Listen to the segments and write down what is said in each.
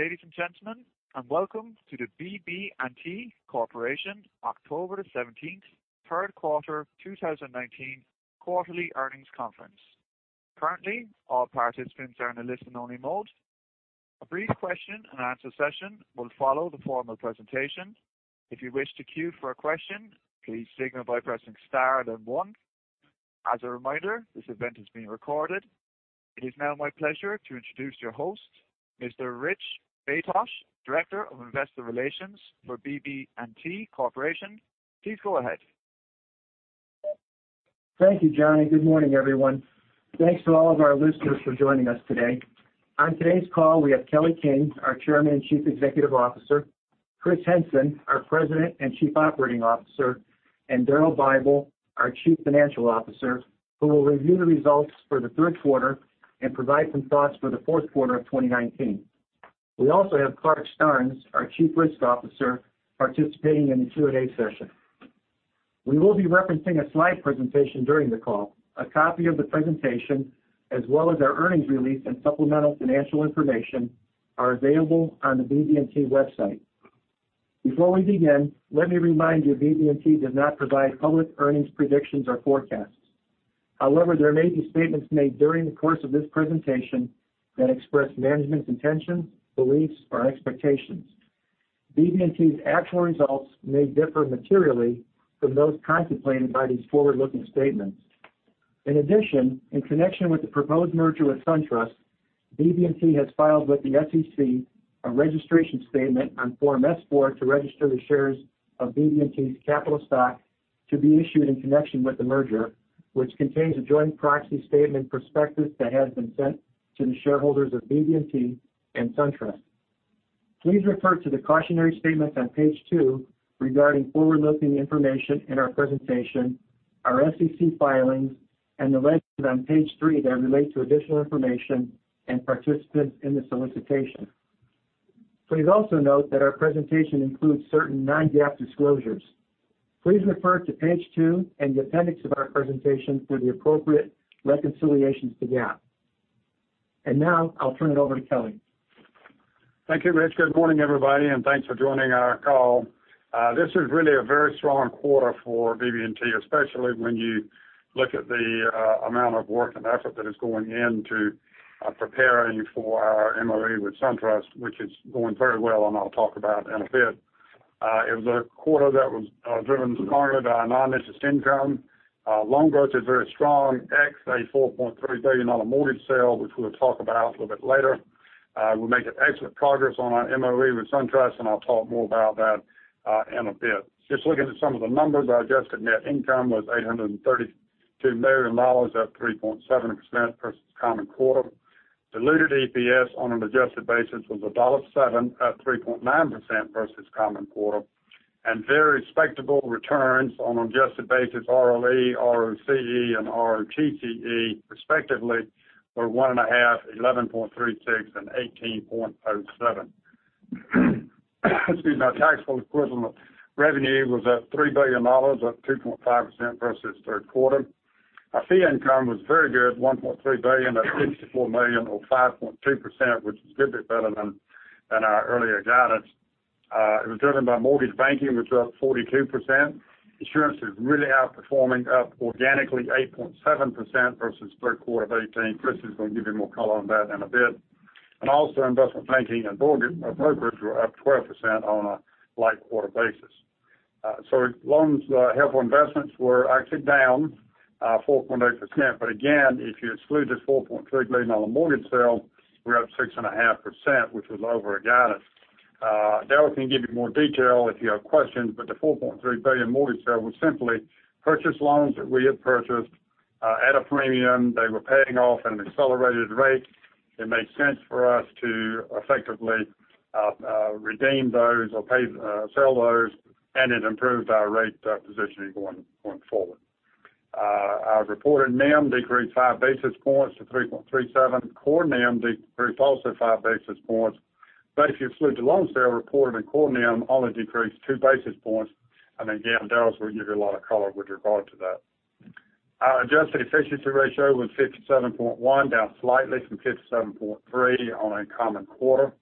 Greetings, ladies and gentlemen, and welcome to the BB&T Corporation October the 17th third quarter 2019 quarterly earnings conference. Currently, all participants are in a listen only mode. A brief question and answer session will follow the formal presentation. If you wish to queue for a question, please signal by pressing star, then one. As a reminder, this event is being recorded. It is now my pleasure to introduce your host, Mr. Richard Baytosh, Director of Investor Relations for BB&T Corporation. Please go ahead. Thank you, Johnny. Good morning, everyone. Thanks to all of our listeners for joining us today. On today's call, we have Kelly King, our Chairman and Chief Executive Officer, Chris Henson, our President and Chief Operating Officer, and Daryl Bible, our Chief Financial Officer, who will review the results for the third quarter and provide some thoughts for the fourth quarter of 2019. We also have Clarke Starnes, our Chief Risk Officer, participating in the Q&A session. We will be referencing a slide presentation during the call. A copy of the presentation, as well as our earnings release and supplemental financial information, are available on the BB&T website. Before we begin, let me remind you, BB&T does not provide public earnings predictions or forecasts. There may be statements made during the course of this presentation that express management's intentions, beliefs, or expectations. BB&T's actual results may differ materially from those contemplated by these forward-looking statements. In addition, in connection with the proposed merger with SunTrust, BB&T has filed with the SEC a registration statement on Form S-4 to register the shares of BB&T's capital stock to be issued in connection with the merger, which contains a joint proxy statement prospectus that has been sent to the shareholders of BB&T and SunTrust. Please refer to the cautionary statements on page two regarding forward-looking information in our presentation, our SEC filings, and the legends on page three that relate to additional information and participants in the solicitation. Please also note that our presentation includes certain non-GAAP disclosures. Please refer to page two and the appendix of our presentation for the appropriate reconciliations to GAAP. Now I'll turn it over to Kelly. Thank you, Rich. Good morning, everybody, and thanks for joining our call. This is really a very strong quarter for BB&T, especially when you look at the amount of work and effort that is going into preparing for our MOE with SunTrust, which is going very well, and I'll talk about in a bit. It was a quarter that was driven primarily by our non-interest income. Loan growth is very strong, ex a $4.3 billion mortgage sale, which we'll talk about a little bit later. We're making excellent progress on our MOE with SunTrust, and I'll talk more about that in a bit. Just looking at some of the numbers, our adjusted net income was $832 million, up 3.7% versus comparable quarter. Diluted EPS on an adjusted basis was $1.07, up 3.9% versus comparable quarter. Very respectable returns on adjusted basis, ROE, ROCE, and ROTCE, respectively, were 1.5%, 11.36%, and 18.07%. Excuse me. Our taxable equivalent revenue was at $3 billion, up 2.5% versus third quarter. Our fee income was very good, $1.3 billion, up $64 million or 5.2%, which is a good bit better than our earlier guidance. It was driven by mortgage banking, which was up 42%. Insurance is really outperforming, up organically 8.7% versus third quarter of 2018. Chris is going to give you more color on that in a bit. Also investment banking and brokerage were up 12% on a like quarter basis. Loans held for investments were actually down 4.8%, but again, if you exclude this $4.3 billion mortgage sale, we're up 6.5%, which was over our guidance. Daryl can give you more detail if you have questions. The $4.3 billion mortgage sale was simply purchase loans that we had purchased at a premium. They were paying off at an accelerated rate. It made sense for us to effectively redeem those or sell those. It improved our rate positioning going forward. Our reported NIM decreased five basis points to 3.37. Core NIM decreased also five basis points. If you exclude the loans sale reported and core NIM only decreased two basis points. Again, Daryl will give you a lot of color with regard to that. Our adjusted efficiency ratio was 57.1, down slightly from 57.3 on a common quarter.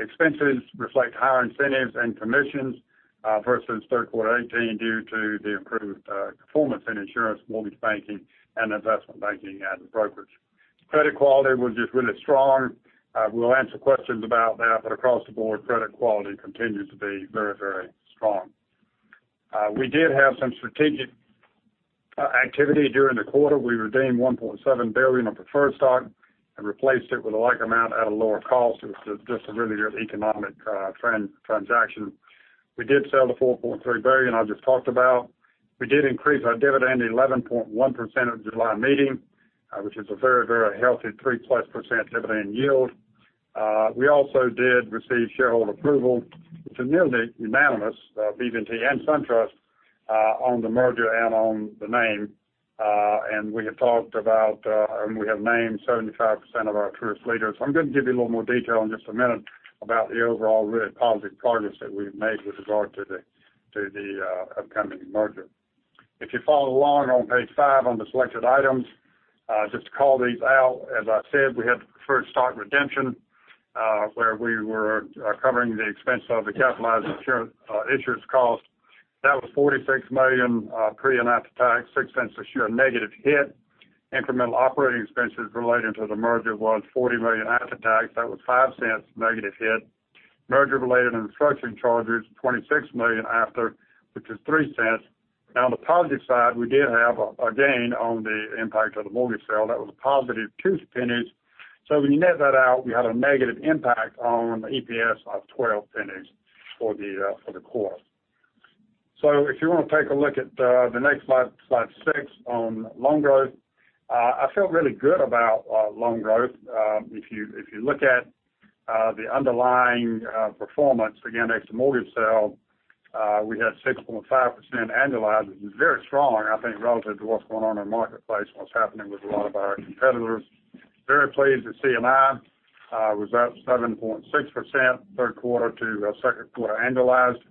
Expenses reflect higher incentives and commissions versus third quarter 2018 due to the improved performance in insurance, mortgage banking, and investment banking and brokerage. Credit quality was just really strong. We'll answer questions about that, but across the board, credit quality continues to be very strong. We did have some strategic activity during the quarter. We redeemed $1.7 billion of preferred stock and replaced it with a like amount at a lower cost. It was just a really good economic transaction. We did sell the $4.3 billion I just talked about. We did increase our dividend 11.1% at the July meeting, which is a very healthy three-plus % dividend yield. We also did receive shareholder approval, which is nearly unanimous, BB&T and SunTrust, on the merger and on the name. We have named 75% of our Truist leaders. I'm going to give you a little more detail in just a minute about the overall really positive progress that we've made with regard to the upcoming merger. If you follow along on page five on the selected items, just to call these out, as I said, we had the preferred stock redemption, where we were covering the expense of the capitalized insurance cost. That was $46 million pre and after-tax, a $0.06 a share negative hit. Incremental operating expenses relating to the merger was $40 million after-tax. That was a $0.05 negative hit. Merger-related restructuring charges, $26 million after, which is $0.03. On the positive side, we did have a gain on the impact of the mortgage sale. That was a positive $0.02. When you net that out, we had a negative impact on EPS of $0.12 for the quarter. If you want to take a look at the next slide six on loan growth. I feel really good about loan growth. If you look at the underlying performance, again, ex the mortgage sale, we had 6.5% annualized. It was very strong, I think, relative to what's going on in the marketplace and what's happening with a lot of our competitors. Very pleased with C&I. Was up 7.6% third quarter to second quarter annualized.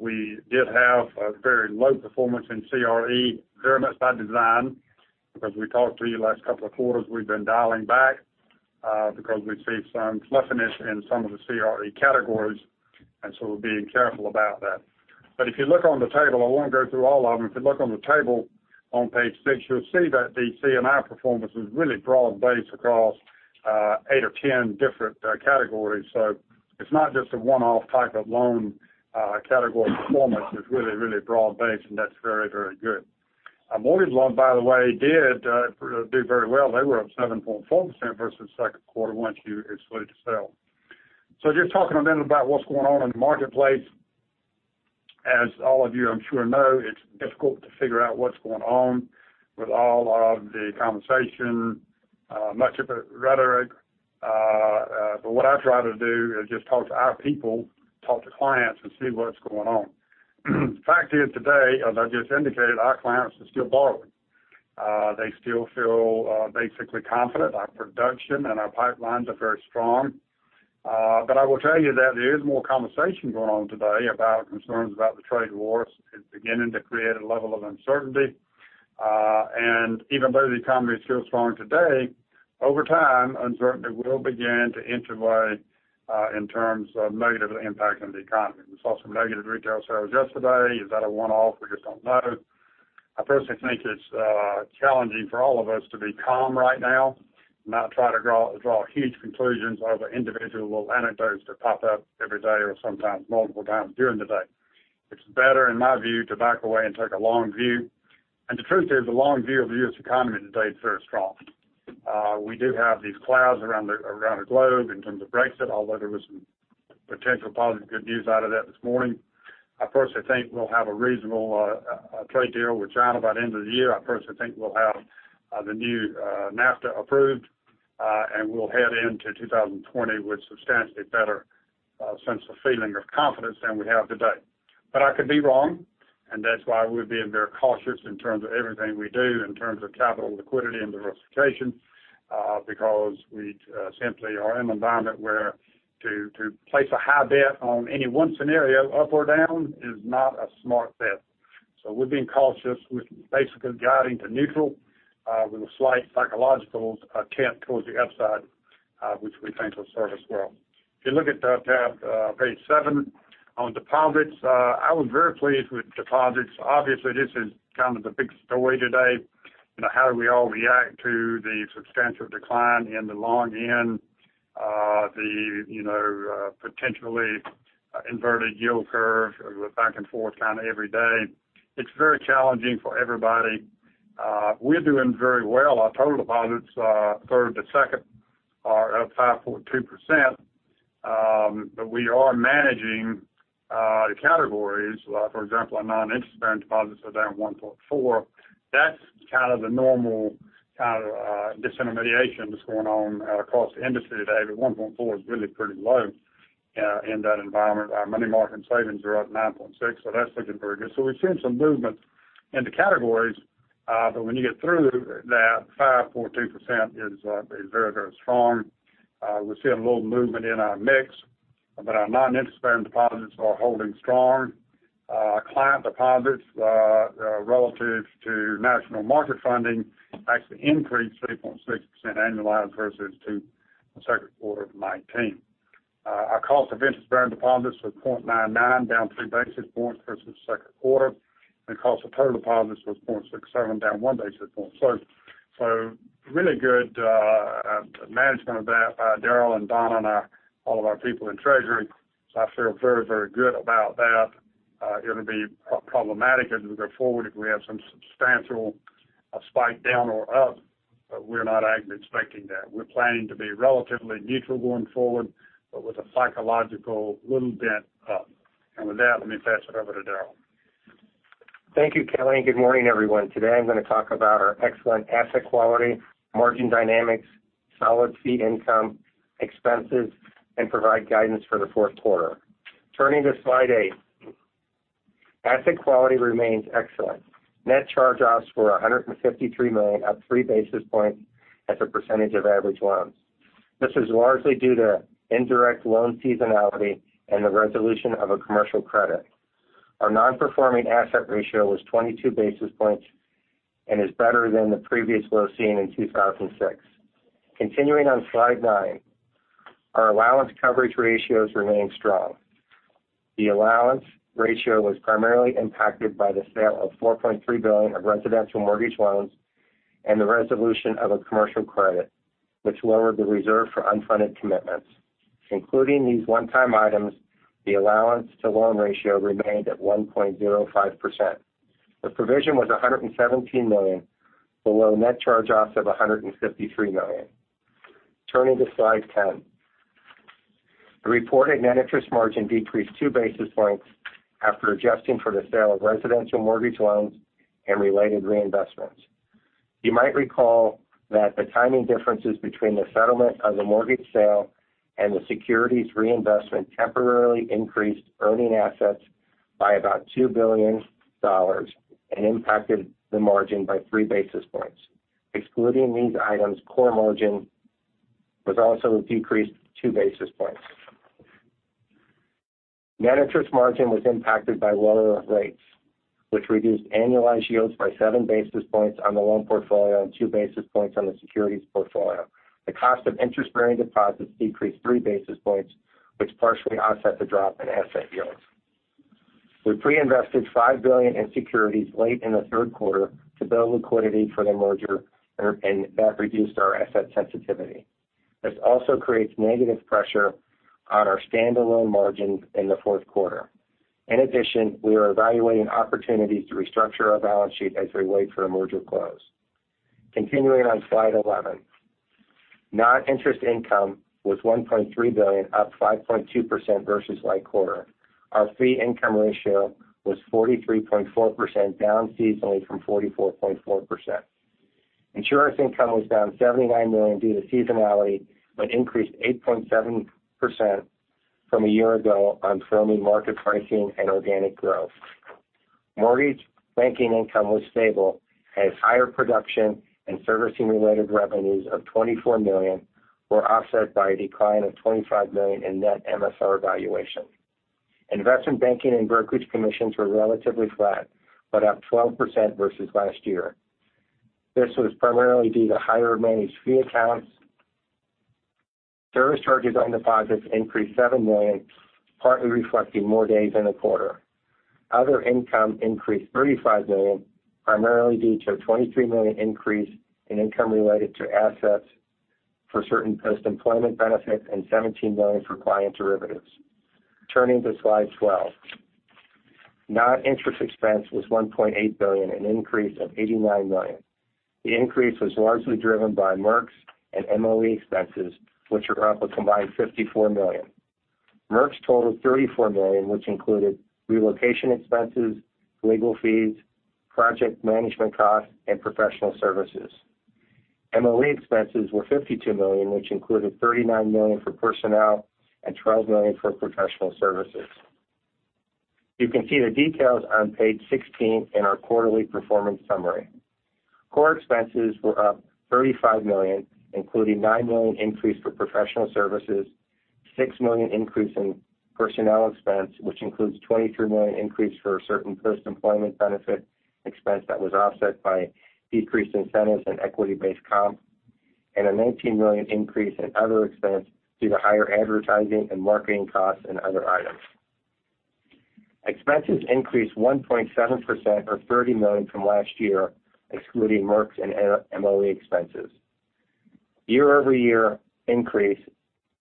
We did have a very low performance in CRE, very much by design, because we talked to you the last couple of quarters, we've been dialing back because we see some fluffiness in some of the CRE categories, and so we're being careful about that. If you look on the table, I won't go through all of them. If you look on the table on page six, you'll see that the C&I performance is really broad-based across eight or 10 different categories. It's not just a one-off type of loan category performance. It's really, really broad-based, and that's very, very good. Mortgage loan, by the way, did do very well. They were up 7.4% versus second quarter once you exclude the sale. Just talking a little about what's going on in the marketplace. As all of you, I'm sure know, it's difficult to figure out what's going on with all of the conversation, much of it rhetoric. What I try to do is just talk to our people, talk to clients, and see what's going on. The fact is today, as I just indicated, our clients are still borrowing. They still feel basically confident. Our production and our pipelines are very strong. I will tell you that there is more conversation going on today about concerns about the trade wars. It's beginning to create a level of uncertainty. Even though the economy is still strong today, over time, uncertainty will begin to enter way in terms of negatively impacting the economy. We saw some negative retail sales yesterday. Is that a one-off? We just don't know. I personally think it's challenging for all of us to be calm right now and not try to draw huge conclusions over individual anecdotes that pop up every day or sometimes multiple times during the day. It's better, in my view, to back away and take a long view. The truth is, the long view of the U.S. economy today is very strong. We do have these clouds around the globe in terms of Brexit, although there was some potential positive good news out of that this morning. I personally think we'll have a reasonable trade deal with China by the end of the year. I personally think we'll have the new NAFTA approved, and we'll head into 2020 with substantially better sense of feeling of confidence than we have today. I could be wrong, and that's why we're being very cautious in terms of everything we do, in terms of capital liquidity and diversification, because we simply are in an environment where to place a high bet on any one scenario, up or down, is not a smart bet. We're being cautious. We're basically guiding to neutral with a slight psychological tint towards the upside, which we think will serve us well. If you look at tab, page seven on deposits, I was very pleased with deposits. This is kind of the big story today. How do we all react to the substantial decline in the long end, the potentially inverted yield curve with back and forth kind of every day? It's very challenging for everybody. We're doing very well. Our total deposits, third to second, are up 5.2%. We are managing the categories. For example, our non-interest bearing deposits are down 1.4%. That's kind of the normal kind of disintermediation that's going on across the industry today. 1.4% is really pretty low in that environment. Our money market and savings are up 9.6%. That's looking very good. We've seen some movement in the categories. When you get through that, 5.2% is very, very strong. We're seeing a little movement in our mix, but our non-interest bearing deposits are holding strong. Client deposits relative to national market funding actually increased 3.6% annualized versus to the second quarter of 2019. Our cost of interest-bearing deposits was 0.99, down three basis points versus second quarter, and cost of total deposits was 0.67, down one basis point. Really good management of that by Daryl and Don and all of our people in treasury. I feel very good about that. It'll be problematic as we go forward if we have some substantial spike down or up, we're not expecting that. We're planning to be relatively neutral going forward, with a psychological little bent up. With that, let me pass it over to Daryl. Thank you, Kelly. Good morning, everyone. Today, I'm going to talk about our excellent asset quality, margin dynamics, solid fee income, expenses, and provide guidance for the fourth quarter. Turning to slide eight. Asset quality remains excellent. Net charge-offs were $153 million, up three basis points as a percentage of average loans. This is largely due to indirect loan seasonality and the resolution of a commercial credit. Our non-performing asset ratio was 22 basis points and is better than the previous low seen in 2006. Continuing on slide nine, our allowance coverage ratios remain strong. The allowance ratio was primarily impacted by the sale of 4.3 billion of residential mortgage loans and the resolution of a commercial credit, which lowered the reserve for unfunded commitments. Including these one-time items, the allowance to loan ratio remained at 1.05%. The provision was $117 million below net charge-offs of $153 million. Turning to slide 10. The reported net interest margin decreased two basis points after adjusting for the sale of residential mortgage loans and related reinvestments. You might recall that the timing differences between the settlement of the mortgage sale and the securities reinvestment temporarily increased earning assets by about $2 billion and impacted the margin by three basis points. Excluding these items, core margin was also decreased two basis points. Net interest margin was impacted by lower rates, which reduced annualized yields by seven basis points on the loan portfolio and two basis points on the securities portfolio. The cost of interest-bearing deposits decreased three basis points, which partially offset the drop in asset yields. We pre-invested $5 billion in securities late in the third quarter to build liquidity for the merger. That reduced our asset sensitivity. This also creates negative pressure on our stand-alone margin in the fourth quarter. In addition, we are evaluating opportunities to restructure our balance sheet as we wait for the merger close. Continuing on slide 11. Non-interest income was $1.3 billion, up 5.2% versus like quarter. Our fee income ratio was 43.4%, down seasonally from 44.4%. Insurance income was down $79 million due to seasonality, but increased 8.7% from a year ago on firming market pricing and organic growth. Mortgage banking income was stable as higher production and servicing-related revenues of $24 million were offset by a decline of $25 million in net MSR valuation. Investment banking and brokerage commissions were relatively flat, but up 12% versus last year. This was primarily due to higher managed fee accounts. Service charges on deposits increased $7 million, partly reflecting more days in the quarter. Other income increased $35 million, primarily due to a $23 million increase in income related to assets for certain post-employment benefits and $17 million for client derivatives. Turning to slide 12. Non-interest expense was $1.8 billion, an increase of $89 million. The increase was largely driven by MERCs and MOE expenses, which are up a combined $54 million. MERCs totaled $34 million, which included relocation expenses, legal fees, project management costs, and professional services. MOE expenses were $52 million, which included $39 million for personnel and $12 million for professional services. You can see the details on page 16 in our quarterly performance summary. Core expenses were up $35 million, including $9 million increase for professional services, $6 million increase in personnel expense, which includes $23 million increase for certain post-employment benefit expense that was offset by decreased incentives and equity-based comp, and a $19-million increase in other expense due to higher advertising and marketing costs and other items. Expenses increased 1.7%, or $30 million from last year, excluding MERCs and MOE expenses. Year-over-year increase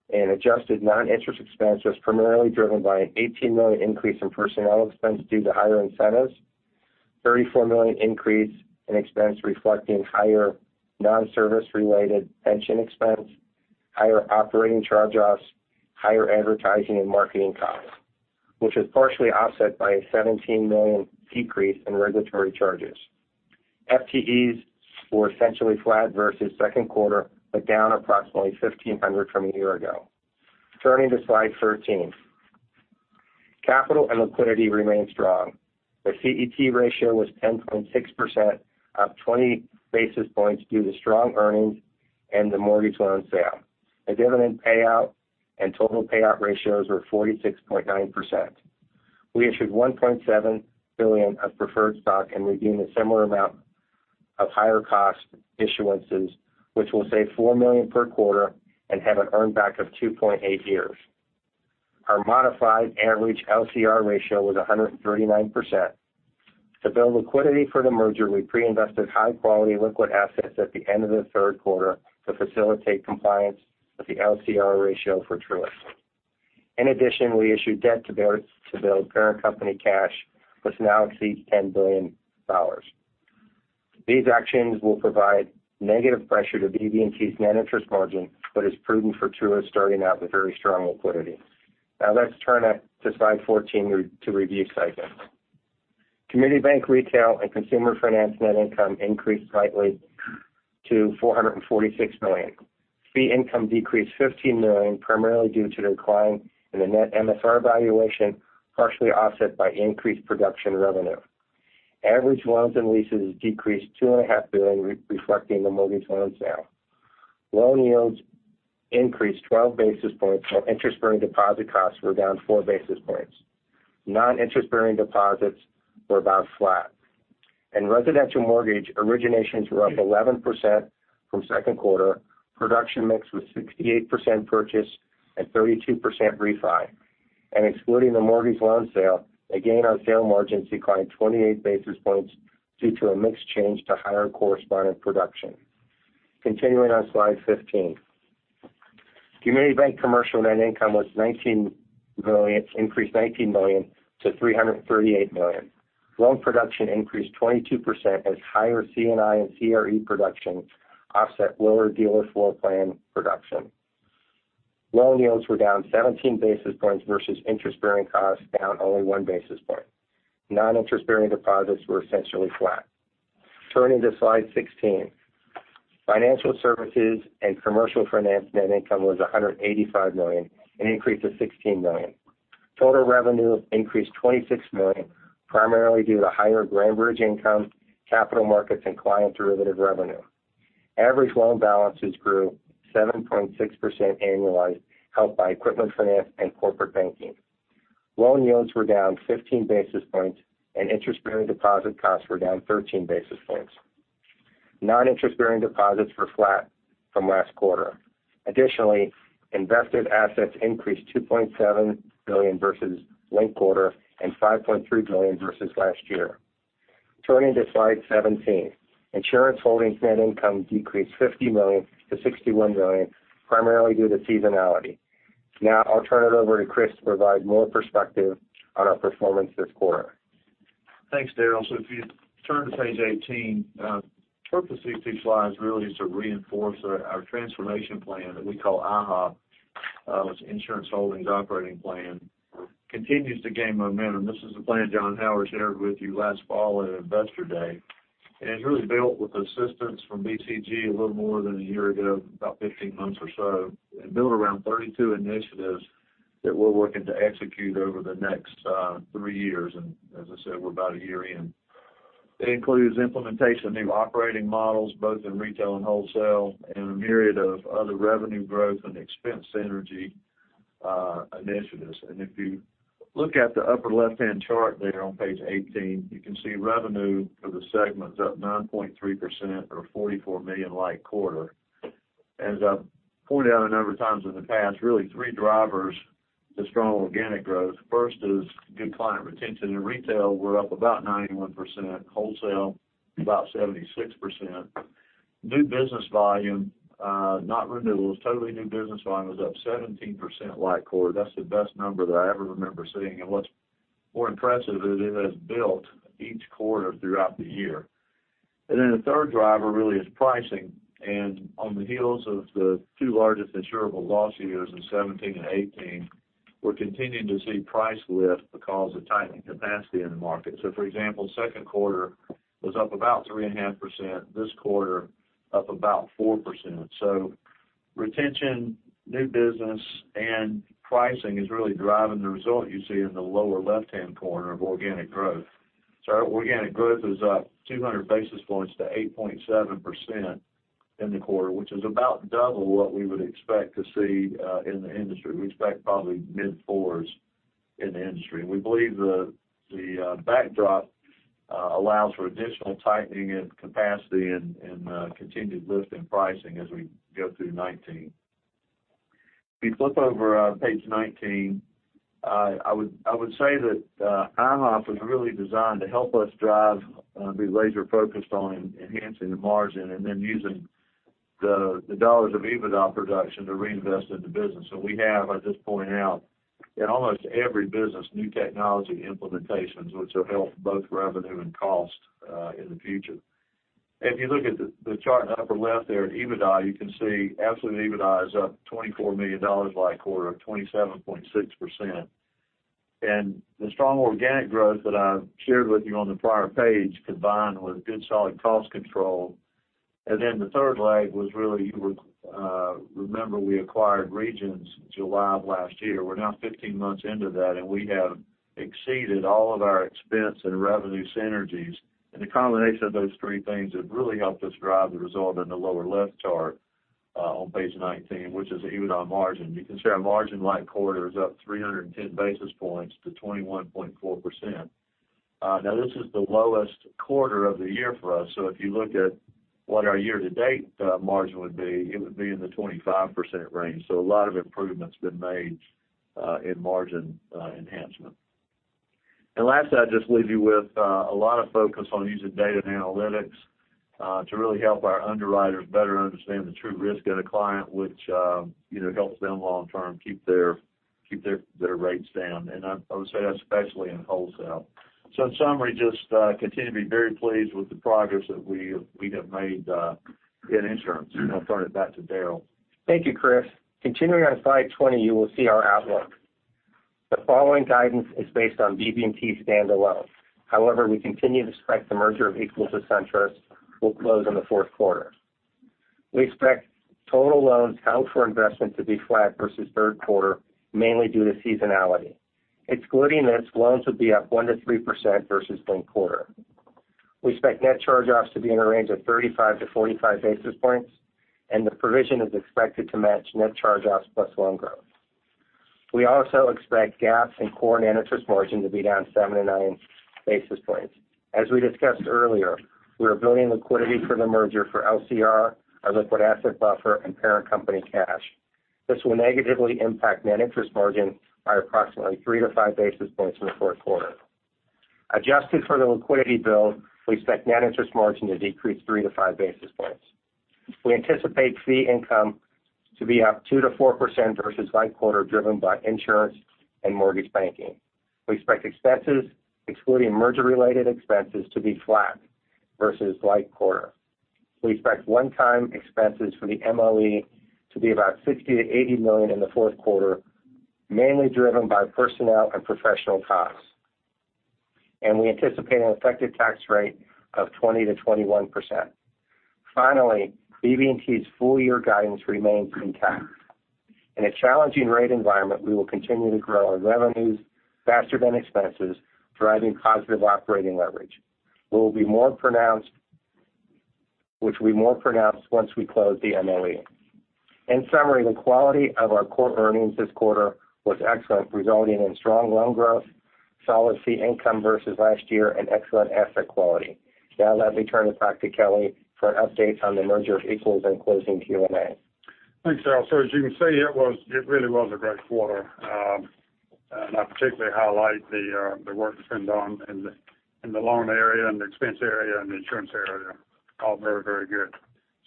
in adjusted non-interest expense was primarily driven by an $18 million increase in personnel expense due to higher incentives, $34 million increase in expense reflecting higher non-service related pension expense, higher operating charge-offs, higher advertising and marketing costs, which is partially offset by a $17 million decrease in regulatory charges. FTEs were essentially flat versus second quarter, but down approximately 1,500 from a year ago. Turning to slide 13. Capital and liquidity remain strong. The CET ratio was 10.6%, up 20 basis points due to strong earnings and the mortgage loan sale. The dividend payout and total payout ratios were 46.9%. We issued $1.7 billion of preferred stock and redeemed a similar amount of higher cost issuances, which will save $4 million per quarter and have an earn back of 2.8 years. Our modified average LCR ratio was 139%. To build liquidity for the merger, we pre-invested high quality liquid assets at the end of the third quarter to facilitate compliance with the LCR ratio for Truist. We issued debt to build parent company cash, which now exceeds $10 billion. These actions will provide negative pressure to BB&T's net interest margin but is prudent for Truist starting out with very strong liquidity. Let's turn to slide 14 to review cycles. Community Bank Retail and Consumer Finance net income increased slightly to $446 million. Fee income decreased $15 million, primarily due to the decline in the net MSR valuation, partially offset by increased production revenue. Average loans and leases decreased $2.5 billion, reflecting the mortgage loan sale. Loan yields increased 12 basis points, while interest-bearing deposit costs were down four basis points. Non-interest-bearing deposits were about flat. In residential mortgage, originations were up 11% from second quarter. Production mix was 68% purchase and 32% refi. Excluding the mortgage loan sale, again, our sale margins declined 28 basis points due to a mix change to higher correspondent production. Continuing on slide 15. Community Bank Commercial net income increased $19 million to $338 million. Loan production increased 22% as higher C&I and CRE production offset lower dealer floor plan production. Loan yields were down 17 basis points versus interest-bearing costs down only one basis point. Non-interest-bearing deposits were essentially flat. Turning to slide 16. Financial Services and Commercial Finance net income was $185 million, an increase of $16 million. Total revenue increased $26 million, primarily due to higher Grandbridge income, capital markets, and client derivative revenue. Average loan balances grew 7.6% annualized, helped by equipment finance and corporate banking. Loan yields were down 15 basis points, and interest-bearing deposit costs were down 13 basis points. Non-interest-bearing deposits were flat from last quarter. Additionally, invested assets increased $2.7 billion versus linked quarter and $5.3 billion versus last year. Turning to slide 17. Insurance Holdings net income decreased $50 million to $61 million, primarily due to seasonality. Now, I'll turn it over to Chris to provide more perspective on our performance this quarter. Thanks, Daryl. If you turn to page 18, the purpose of these two slides really is to reinforce our transformation plan that we call IHOP. It's Insurance Holdings Operating Plan. Continues to gain momentum. This is the plan John Howard shared with you last fall at Investor Day, and it's really built with assistance from BCG a little more than one year ago, about 15 months or so, and built around 32 initiatives that we're working to execute over the next three years. As I said, we're about one year in. It includes implementation of new operating models, both in retail and wholesale, and a myriad of other revenue growth and expense synergy initiatives. If you look at the upper left-hand chart there on page 18, you can see revenue for the segment is up 9.3% or $44 million like quarter. As I've pointed out a number of times in the past, really three drivers to strong organic growth. First is good client retention. In retail, we're up about 91%, wholesale, about 76%. New business volume, not renewals, totally new business volume is up 17% like quarter. That's the best number that I ever remember seeing. What's more impressive is it has built each quarter throughout the year. The third driver really is pricing. On the heels of the two largest insurable loss years in 2017 and 2018, we're continuing to see price lift because of tightening capacity in the market. For example, second quarter was up about 3.5%, this quarter up about 4%. Retention, new business, and pricing is really driving the result you see in the lower left-hand corner of organic growth. Our organic growth is up 200 basis points to 8.7% in the quarter, which is about double what we would expect to see in the industry. We expect probably mid-fours in the industry. We believe the backdrop allows for additional tightening in capacity and continued lift in pricing as we go through 2019. You flip over on page 19, I would say that IHOP was really designed to help us drive, be laser-focused on enhancing the margin, and then using the dollars of EBITDA production to reinvest in the business. We have, I'll just point out, in almost every business, new technology implementations, which will help both revenue and cost in the future. You look at the chart in the upper left there at EBITDA, you can see absolute EBITDA is up $24 million like quarter of 27.6%. The strong organic growth that I've shared with you on the prior page combined with good solid cost control. Then the third leg was really, you would remember we acquired Regions July of last year. We're now 15 months into that, and we have exceeded all of our expense and revenue synergies. The combination of those three things have really helped us drive the result in the lower left chart on page 19, which is EBITDA margin. You can see our margin like quarter is up 310 basis points to 21.4%. Now, this is the lowest quarter of the year for us. If you look at what our year-to-date margin would be, it would be in the 25% range. A lot of improvements have been made in margin enhancement. Lastly, I'd just leave you with a lot of focus on using data and analytics to really help our underwriters better understand the true risk of the client, which helps them long term, keep their rates down. I would say that's especially in wholesale. In summary, just continue to be very pleased with the progress that we have made in insurance. I'll turn it back to Daryl. Thank you, Chris. Continuing on slide 20, you will see our outlook. The following guidance is based on BB&T standalone. We continue to expect the merger with SunTrust will close in the fourth quarter. We expect total loans held for investment to be flat versus third quarter, mainly due to seasonality. Excluding this, loans will be up one to 3% versus linked quarter. We expect net charge-offs to be in the range of 35 to 45 basis points. The provision is expected to match net charge-offs plus loan growth. We also expect GAAP and core net interest margin to be down seven to nine basis points. As we discussed earlier, we are building liquidity for the merger for LCR, our liquid asset buffer and parent company cash. This will negatively impact net interest margin by approximately three to five basis points in the fourth quarter. Adjusted for the liquidity build, we expect net interest margin to decrease three to five basis points. We anticipate fee income to be up 2% to 4% versus like quarter, driven by insurance and mortgage banking. We expect expenses, excluding merger-related expenses, to be flat versus like quarter. We expect one-time expenses for the MOE to be about $60 million-$80 million in the fourth quarter, mainly driven by personnel and professional costs. We anticipate an effective tax rate of 20%-21%. Finally, BB&T's full year guidance remains intact. In a challenging rate environment, we will continue to grow our revenues faster than expenses, driving positive operating leverage, which will be more pronounced once we close the MOE. In summary, the quality of our core earnings this quarter was excellent, resulting in strong loan growth, solid fee income versus last year, and excellent asset quality. Let me turn it back to Kelly for updates on the merger of equals and closing Q&A. Thanks, Daryl. As you can see, it really was a great quarter. I particularly highlight the work that's been done in the loan area and the expense area and the insurance area. All very, very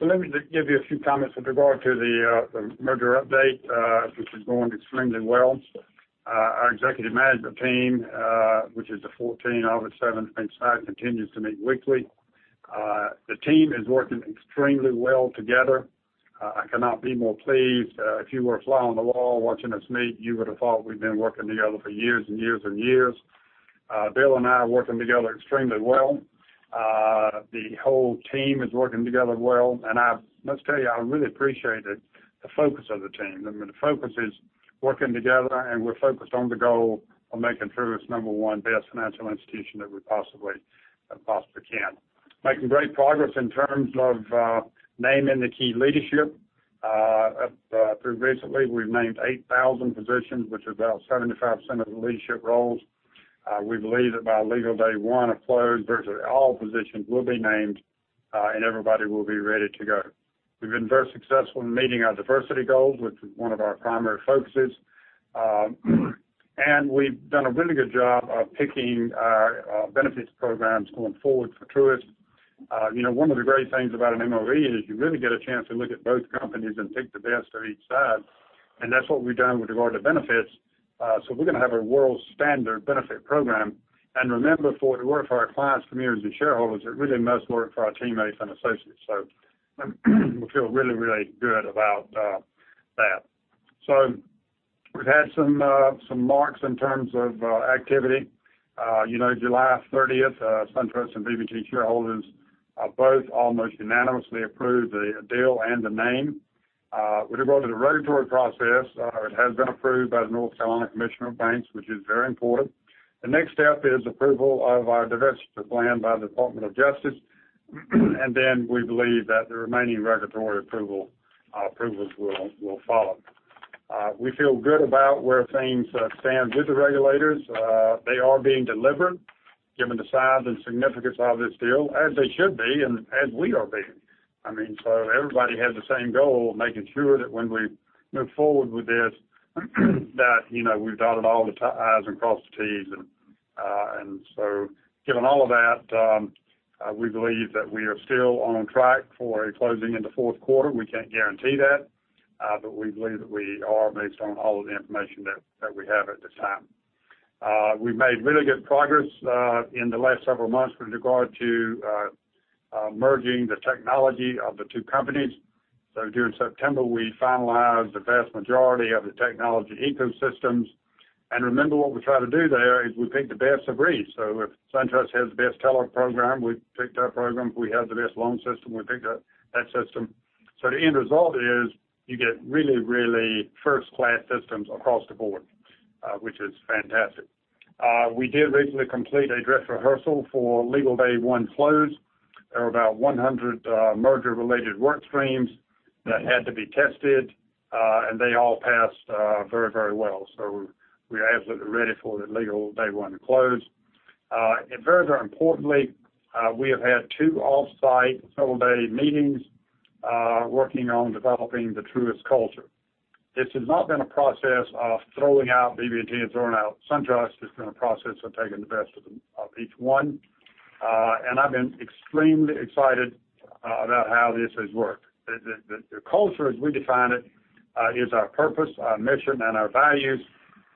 good. Let me just give you a few comments with regard to the merger update, which is going extremely well. Our executive management team, which is the 14, out of the seven have been staff, continues to meet weekly. The team is working extremely well together. I cannot be more pleased. If you were a fly on the wall watching us meet, you would have thought we'd been working together for years and years and years. Bill and I are working together extremely well. The whole team is working together well, and I must tell you, I really appreciate the focus of the team. The focus is working together, and we're focused on the goal of making Truist number one best financial institution that we possibly can. Making great progress in terms of naming the key leadership. Recently, we've named 8,000 positions, which is about 75% of the leadership roles. We believe that by legal day one of close, virtually all positions will be named, and everybody will be ready to go. We've been very successful in meeting our diversity goals, which is one of our primary focuses. We've done a really good job of picking our benefits programs going forward for Truist. One of the great things about an MOE is you really get a chance to look at both companies and pick the best of each side. That's what we've done with regard to benefits. We're going to have a world standard benefit program. Remember, for it to work for our clients, communities, and shareholders, it really must work for our teammates and associates. We feel really good about that. We've had some marks in terms of activity. July 30th, SunTrust and BB&T shareholders both almost unanimously approved the deal and the name. With regard to the regulatory process, it has been approved by the North Carolina Commissioner of Banks, which is very important. The next step is approval of our divestiture plan by the Department of Justice, and then we believe that the remaining regulatory approvals will follow. We feel good about where things stand with the regulators. They are being deliberate given the size and significance of this deal, as they should be, and as we are being. Everybody has the same goal, making sure that when we move forward with this, that we've dotted all the i's and crossed the t's. Given all of that, we believe that we are still on track for a closing in the fourth quarter. We can't guarantee that. We believe that we are based on all of the information that we have at this time. We've made really good progress in the last several months with regard to merging the technology of the two companies. During September, we finalized the vast majority of the technology ecosystems. Remember, what we try to do there is we pick the best of breed. If SunTrust has the best teller program, we pick that program. If we have the best loan system, we pick that system. The end result is you get really first-class systems across the board, which is fantastic. We did recently complete a dress rehearsal for legal day one close. There were about 100 merger-related work streams that had to be tested, and they all passed very well. We're absolutely ready for the legal day one close. Very importantly, we have had two off-site several day meetings, working on developing the Truist culture. This has not been a process of throwing out BB&T and throwing out SunTrust. It's been a process of taking the best of each one. I've been extremely excited about how this has worked. The culture, as we define it, is our purpose, our mission, and our values.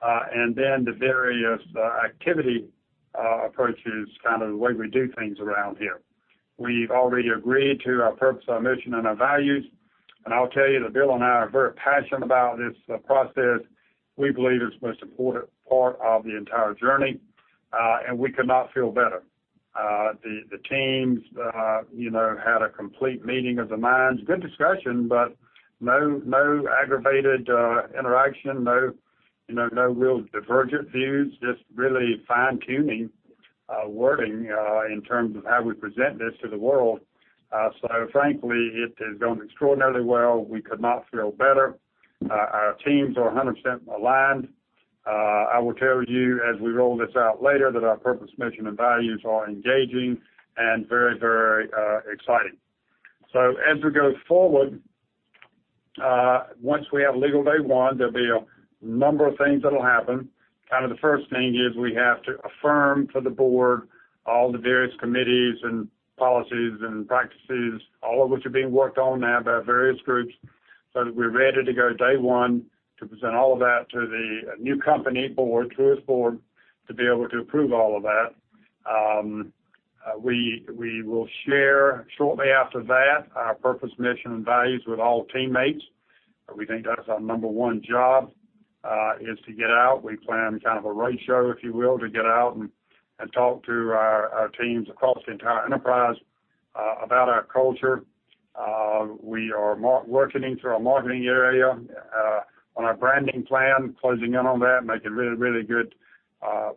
The various activity approaches, kind of the way we do things around here. We've already agreed to our purpose, our mission, and our values. I'll tell you that Bill and I are very passionate about this process. We believe it's the most important part of the entire journey, and we could not feel better. The teams had a complete meeting of the minds. Good discussion, but no aggravated interaction, no real divergent views, just really fine-tuning wording in terms of how we present this to the world. Frankly, it has gone extraordinarily well. We could not feel better. Our teams are 100% aligned. I will tell you, as we roll this out later, that our purpose, mission, and values are engaging and very exciting. As we go forward, once we have legal day one, there'll be a number of things that'll happen. The first thing is we have to affirm to the board all the various committees and policies and practices, all of which are being worked on now by various groups, so that we're ready to go day one to present all of that to the new company board, Truist Board, to be able to approve all of that. We will share shortly after that our purpose, mission, and values with all teammates. We think that's our number one job, is to get out. We plan kind of a roadshow, if you will, to get out and talk to our teams across the entire enterprise about our culture. We are working into our marketing area on our branding plan, closing in on that, making really good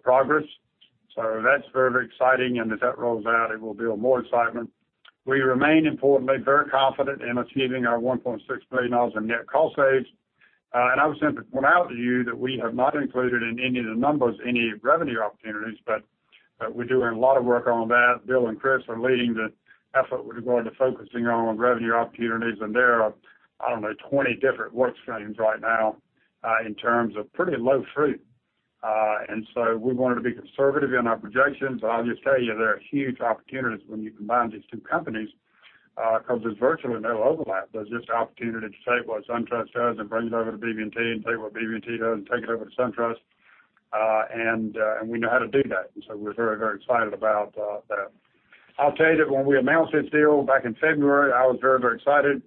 progress. That's very exciting. As that rolls out, it will be more excitement. We remain importantly very confident in achieving our $1.6 billion in net cost saves. I would simply point out to you that we have not included in any of the numbers any revenue opportunities, but we're doing a lot of work on that. Bill and Chris are leading the effort with regard to focusing on revenue opportunities. There are, I don't know, 20 different work streams right now, in terms of pretty low fruit. We wanted to be conservative in our projections. I'll just tell you, there are huge opportunities when you combine these two companies, because there's virtually no overlap. There's just opportunity to take what SunTrust does and bring it over to BB&T, and take what BB&T does and take it over to SunTrust. We know how to do that. We're very excited about that. I'll tell you that when we announced this deal back in February, I was very excited.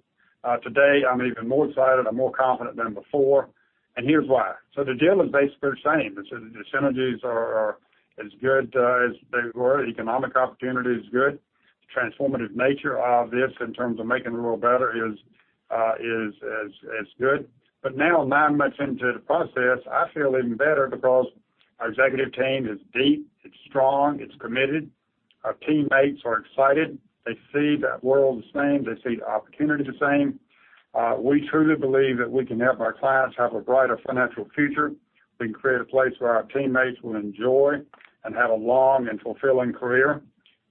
Today, I'm even more excited. I'm more confident than before. Here's why. The deal is basically the same. The synergies are as good as they were. The economic opportunity is good. The transformative nature of this, in terms of making the world better, is as good. Now, nine months into the process, I feel even better because our executive team is deep, it's strong, it's committed. Our teammates are excited. They see that world the same. They see the opportunity the same. We truly believe that we can help our clients have a brighter financial future. We can create a place where our teammates will enjoy and have a long and fulfilling career.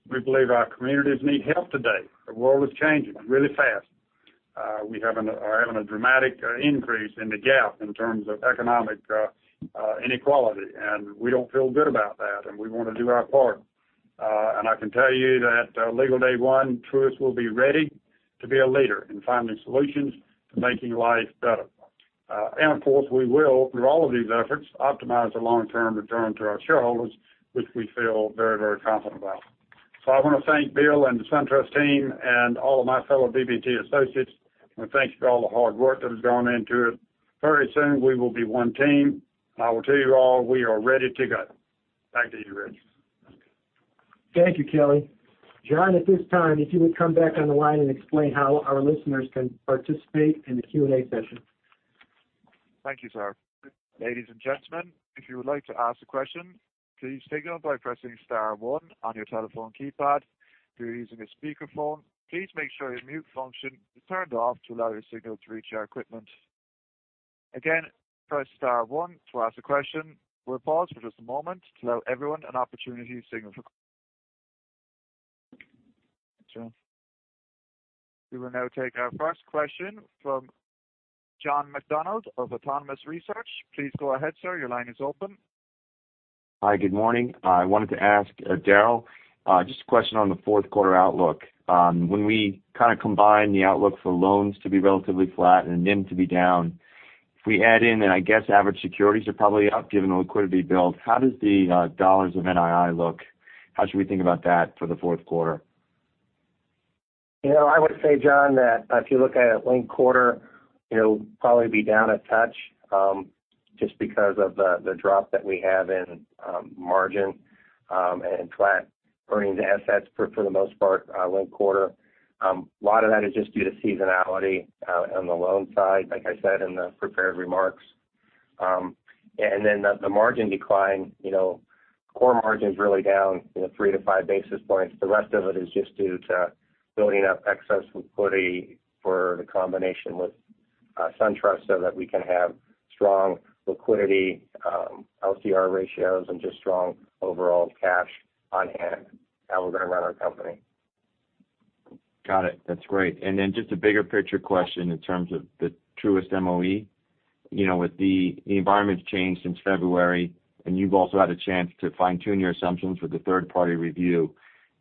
We believe our communities need help today. The world is changing really fast. We are having a dramatic increase in the gap in terms of economic inequality. We don't feel good about that. We want to do our part. I can tell you that legal day one, Truist will be ready to be a leader in finding solutions to making life better. Of course, we will, through all of these efforts, optimize the long-term return to our shareholders, which we feel very confident about. I want to thank Bill and the SunTrust team and all of my fellow BB&T associates. I want to thank you for all the hard work that has gone into it. Very soon, we will be one team, and I will tell you all, we are ready to go. Back to you, Richard. Thank you, Kelly. John, at this time, if you would come back on the line and explain how our listeners can participate in the Q&A session. Thank you, sir. Ladies and gentlemen, if you would like to ask a question, please signal by pressing star one on your telephone keypad. If you're using a speakerphone, please make sure your mute function is turned off to allow your signal to reach our equipment. Again, press star one to ask a question. We'll pause for just a moment to allow everyone an opportunity to signal for. We will now take our first question from John McDonald of Autonomous Research. Please go ahead, sir. Your line is open. Hi. Good morning. I wanted to ask Daryl just a question on the fourth quarter outlook. When we kind of combine the outlook for loans to be relatively flat and NIM to be down, if we add in, and I guess average securities are probably up given the liquidity build, how does the dollars of NII look? How should we think about that for the fourth quarter? I would say, John, that if you look at it linked quarter, it'll probably be down a touch, just because of the drop that we have in margin and flat earning the assets for the most part linked quarter. A lot of that is just due to seasonality on the loan side, like I said in the prepared remarks. The margin decline, core margin's really down 3-5 basis points. The rest of it is just due to building up excess liquidity for the combination with SunTrust so that we can have strong liquidity, LCR ratios, and just strong overall cash on hand. How we're going to run our company. Got it. That's great. Just a bigger picture question in terms of the Truist MOE. With the environment's changed since February, and you've also had a chance to fine-tune your assumptions with the third-party review.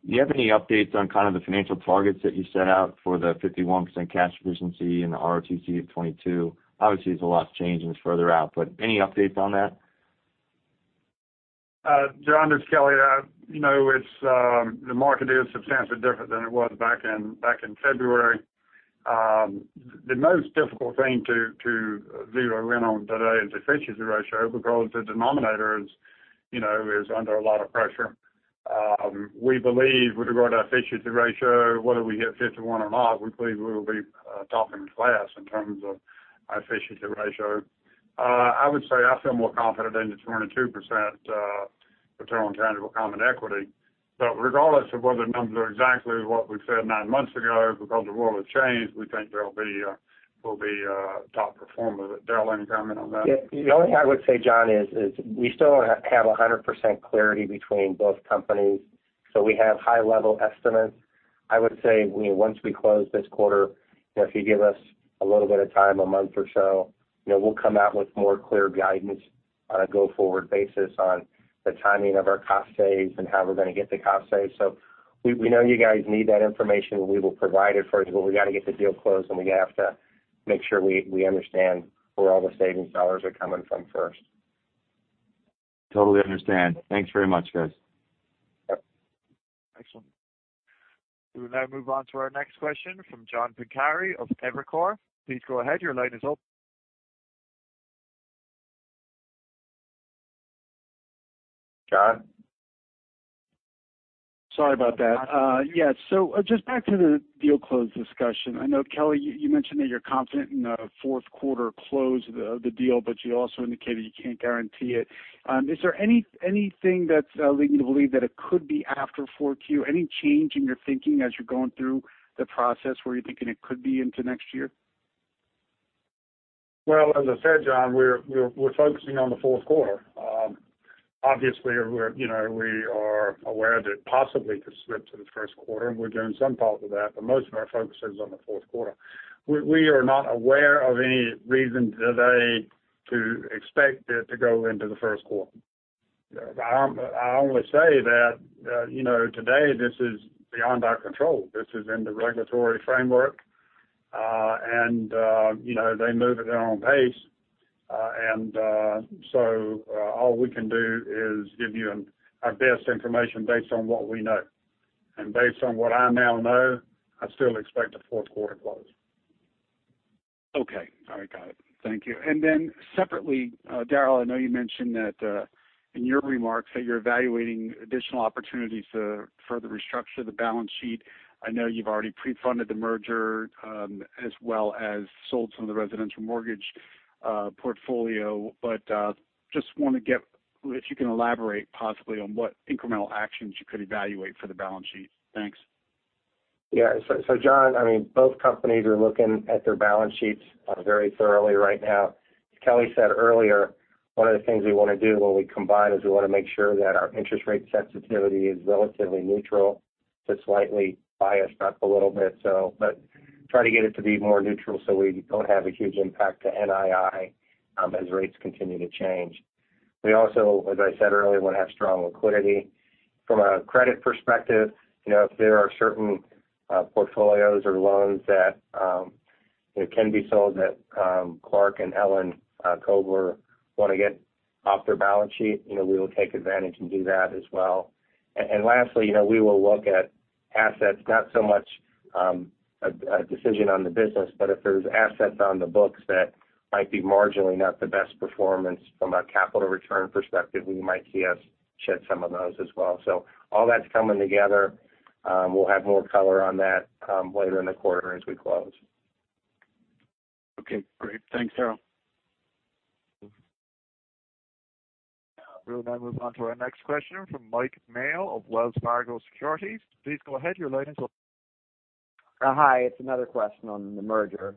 Do you have any updates on kind of the financial targets that you set out for the 51% cash efficiency and the ROTCE of 2022? Obviously, there's a lot that's changed and it's further out, but any updates on that? John, this is Kelly. The market is substantially different than it was back in February. The most difficult thing to zero in on today is efficiency ratio because the denominator is under a lot of pressure. We believe with regard to our efficiency ratio, whether we hit 51 or not, we believe we will be top in class in terms of our efficiency ratio. I would say I feel more confident in the 22% return on tangible common equity. Regardless of whether the numbers are exactly what we said nine months ago, because the world has changed, we think we'll be a top performer. Daryl, any comment on that? The only thing I would say, John, is we still don't have 100% clarity between both companies. We have high-level estimates. I would say once we close this quarter, if you give us a little bit of time, a month or so, we'll come out with more clear guidance on a go-forward basis on the timing of our cost saves and how we're going to get the cost saves. We know you guys need that information, and we will provide it for you. We got to get the deal closed, and we have to make sure we understand where all the savings dollars are coming from first. Totally understand. Thanks very much, guys. Yep. Excellent. We will now move on to our next question from John Pancari of Evercore. Please go ahead. Your line is open. John? Sorry about that. Yes. Just back to the deal close discussion. I know, Kelly, you mentioned that you're confident in a fourth quarter close of the deal, but you also indicated you can't guarantee it. Is there anything that's leading you to believe that it could be after 4Q? Any change in your thinking as you're going through the process where you're thinking it could be into next year? Well, as I said, John, we're focusing on the fourth quarter. Obviously, we are aware that it possibly could slip to the first quarter, and we're doing some thought of that, but most of our focus is on the fourth quarter. We are not aware of any reason today to expect it to go into the first quarter. I only say that today this is beyond our control. This is in the regulatory framework, and they move at their own pace. All we can do is give you our best information based on what we know. Based on what I now know, I still expect a fourth quarter close. Okay. All right, got it. Thank you. Separately, Daryl, I know you mentioned in your remarks that you're evaluating additional opportunities to further restructure the balance sheet. I know you've already pre-funded the merger as well as sold some of the residential mortgage portfolio, but just want to get if you can elaborate possibly on what incremental actions you could evaluate for the balance sheet. Thanks. Yeah. John, both companies are looking at their balance sheets very thoroughly right now. As Kelly said earlier, one of the things we want to do when we combine is we want to make sure that our interest rate sensitivity is relatively neutral to slightly biased up a little bit. Try to get it to be more neutral so we don't have a huge impact to NII as rates continue to change. We also, as I said earlier, want to have strong liquidity. From a credit perspective, if there are certain portfolios or loans that can be sold that Clarke and Ellen Koebler want to get off their balance sheet, we will take advantage and do that as well. Lastly, we will look at assets, not so much a decision on the business, but if there's assets on the books that might be marginally not the best performance from a capital return perspective, we might key off shed some of those as well. All that's coming together. We'll have more color on that later in the quarter as we close. Okay, great. Thanks, Daryl. We'll now move on to our next question from Mike Mayo of Wells Fargo Securities. Please go ahead. Your line is open. Hi. It's another question on the merger.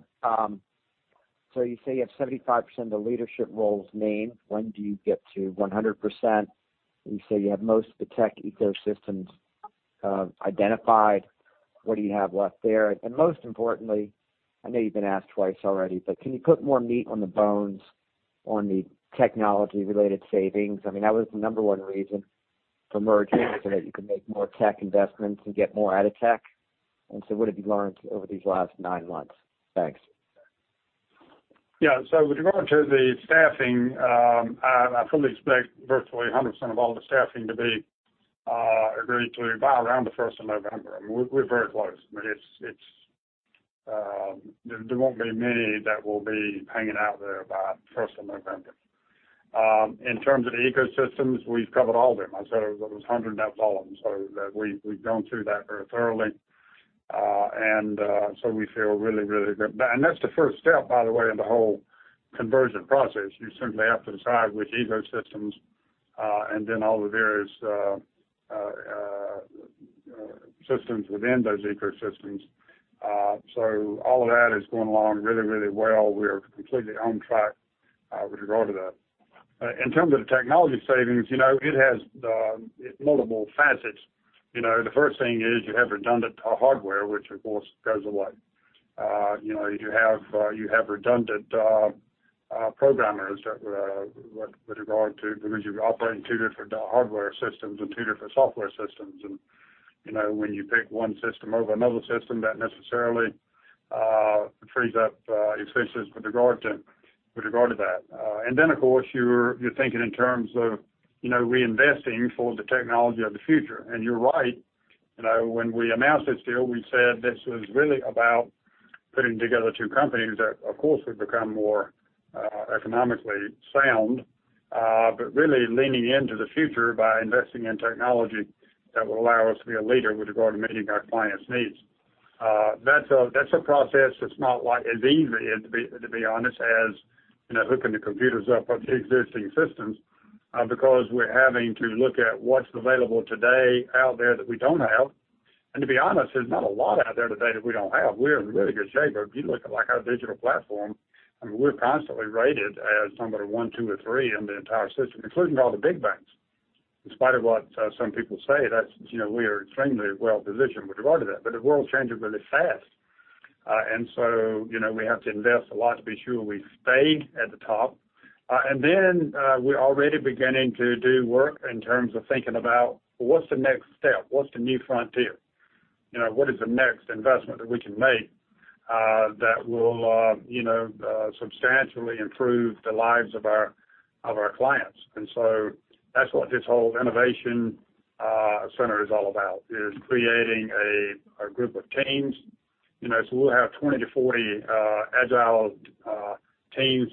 You say you have 75% of the leadership roles named. When do you get to 100%? You say you have most of the tech ecosystems identified. What do you have left there? Most importantly, I know you've been asked twice already, but can you put more meat on the bones on the technology-related savings? That was the number one reason for merging so that you can make more tech investments and get more out of tech. What have you learned over these last nine months? Thanks. With regard to the staffing, I fully expect virtually 100% of all the staffing to be agreed to by around the 1st of November. We're very close. There won't be many that will be hanging out there by the 1st of November. In terms of ecosystems, we've covered all of them. I said there was 100 and that's all of them. We've gone through that very thoroughly. We feel really, really good. That's the first step, by the way, in the whole conversion process. You simply have to decide which ecosystems, and then all the various systems within those ecosystems. All of that is going along really, really well. We are completely on track with regard to that. In terms of the technology savings, it has multiple facets. The first thing is you have redundant hardware, which of course goes away. You have redundant programmers with regard to because you're operating two different hardware systems and two different software systems. When you pick one system over another system, that necessarily frees up expenses with regard to that. Then, of course, you're thinking in terms of reinvesting for the technology of the future. You're right. When we announced this deal, we said this was really about putting together two companies that, of course, would become more economically sound. Really leaning into the future by investing in technology that will allow us to be a leader with regard to meeting our clients' needs. That's a process that's not as easy, to be honest, as hooking the computers up on the existing systems, because we're having to look at what's available today out there that we don't have. To be honest, there's not a lot out there today that we don't have. We're in really good shape. If you look at our digital platform, we're constantly rated as number 1, 2, or 3 in the entire system, including all the big banks. In spite of what some people say, we are extremely well-positioned with regard to that. The world's changing really fast. We have to invest a lot to be sure we stay at the top. We're already beginning to do work in terms of thinking about what's the next step? What's the new frontier? What is the next investment that we can make that will substantially improve the lives of our clients? That's what this whole innovation center is all about, is creating a group of teams. We'll have 20 to 40 agile teams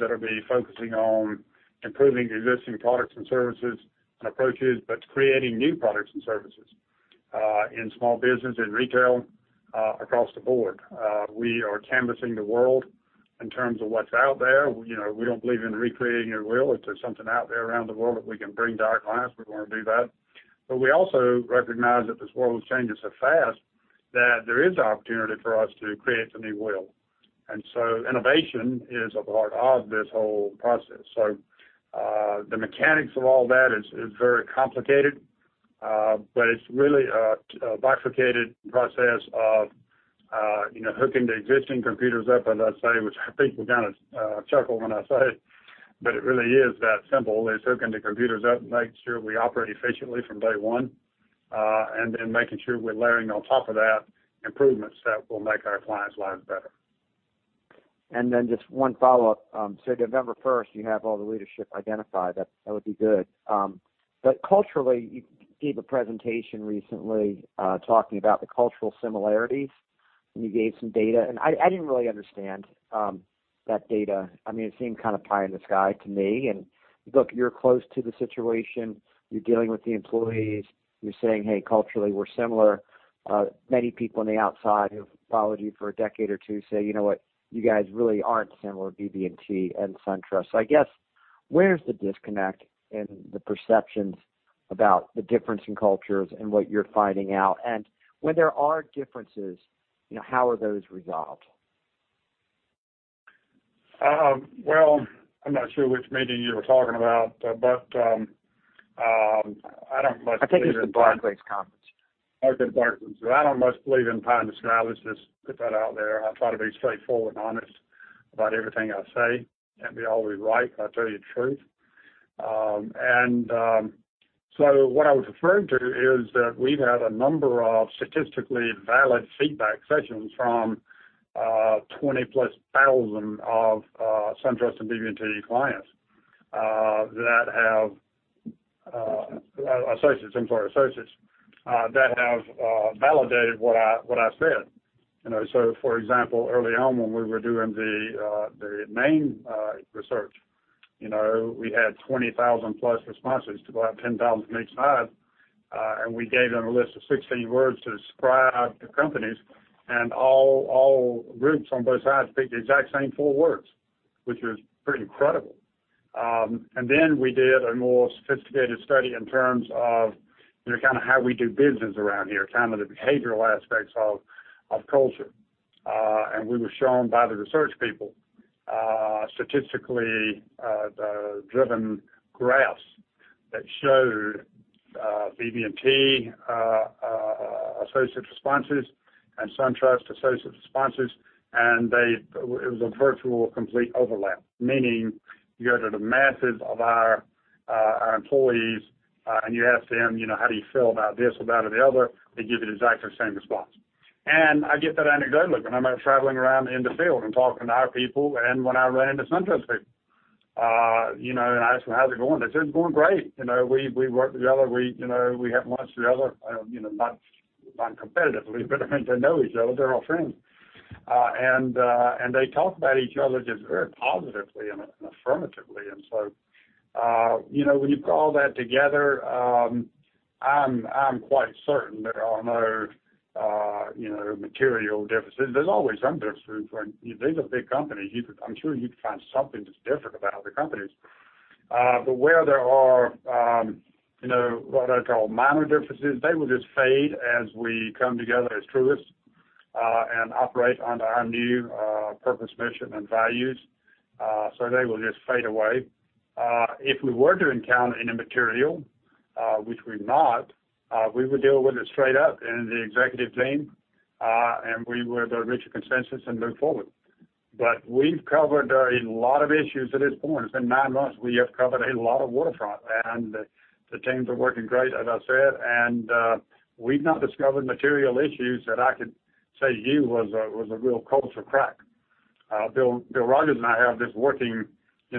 that'll be focusing on improving existing products and services and approaches, but creating new products and services in small business and retail across the board. We are canvassing the world in terms of what's out there. We don't believe in recreating a wheel. If there's something out there around the world that we can bring to our clients, we want to do that. We also recognize that this world is changing so fast that there is opportunity for us to create the new wheel. Innovation is at the heart of this whole process. The mechanics of all that is very complicated. It's really a bifurcated process of hooking the existing computers up, as I say, which I think you kind of chuckle when I say it, but it really is that simple. It's hooking the computers up, making sure we operate efficiently from day one, and then making sure we're layering on top of that improvements that will make our clients' lives better. Just one follow-up. November 1st, you have all the leadership identified. That would be good. Culturally, you gave a presentation recently talking about the cultural similarities, and you gave some data, and I didn't really understand that data. It seemed kind of pie in the sky to me. Look, you're close to the situation. You're dealing with the employees. You're saying, "Hey, culturally, we're similar." Many people on the outside who've followed you for a decade or two say, "You know what? You guys really aren't similar, BB&T and SunTrust." I guess, where's the disconnect in the perceptions about the difference in cultures and what you're finding out? Where there are differences, how are those resolved? Well, I'm not sure which meeting you were talking about, but I don't much believe. I think it was the Barclays conference. Oh, Barclays. I don't much believe in pie in the sky. Let's just put that out there. I try to be straightforward and honest about everything I say. That'd be always right. I tell you the truth. What I was referring to is that we've had a number of statistically valid feedback sessions from 20-plus thousand of SunTrust and BB&T clients that have. Associates associates, employer associates, that have validated what I said. For example, early on when we were doing the main research, we had 20,000-plus responses to about 10,000 from each side. We gave them a list of 16 words to describe the companies and all groups on both sides picked the exact same four words, which was pretty incredible. Then we did a more sophisticated study in terms of kind of how we do business around here, kind of the behavioral aspects of culture. We were shown by the research people statistically-driven graphs that showed BB&T associate responses and SunTrust associate responses, and it was a virtual complete overlap. Meaning, you go to the masses of our employees, and you ask them, "How do you feel about this or that or the other?" They give you the exact same response. I get that anecdotally when I'm out traveling around in the field and talking to our people and when I run into SunTrust people. I ask them, "How's it going?" They say, "It's going great. We work together. We have lunch together." Not competitively, but they know each other. They're all friends. They talk about each other just very positively and affirmatively. When you put all that together, I'm quite certain there are no material differences. There's always some differences when these are big companies. I'm sure you'd find something that's different about other companies. Where there are what I call minor differences, they will just fade as we come together as Truist and operate under our new purpose, mission, and values. They will just fade away. If we were to encounter any material, which we've not, we would deal with it straight up in the executive team, we would reach a consensus and move forward. We've covered a lot of issues at this point. It's been nine months. We have covered a lot of waterfront, and the teams are working great, as I said. We've not discovered material issues that I could say you was a real culture crack. Bill Rogers and I have this working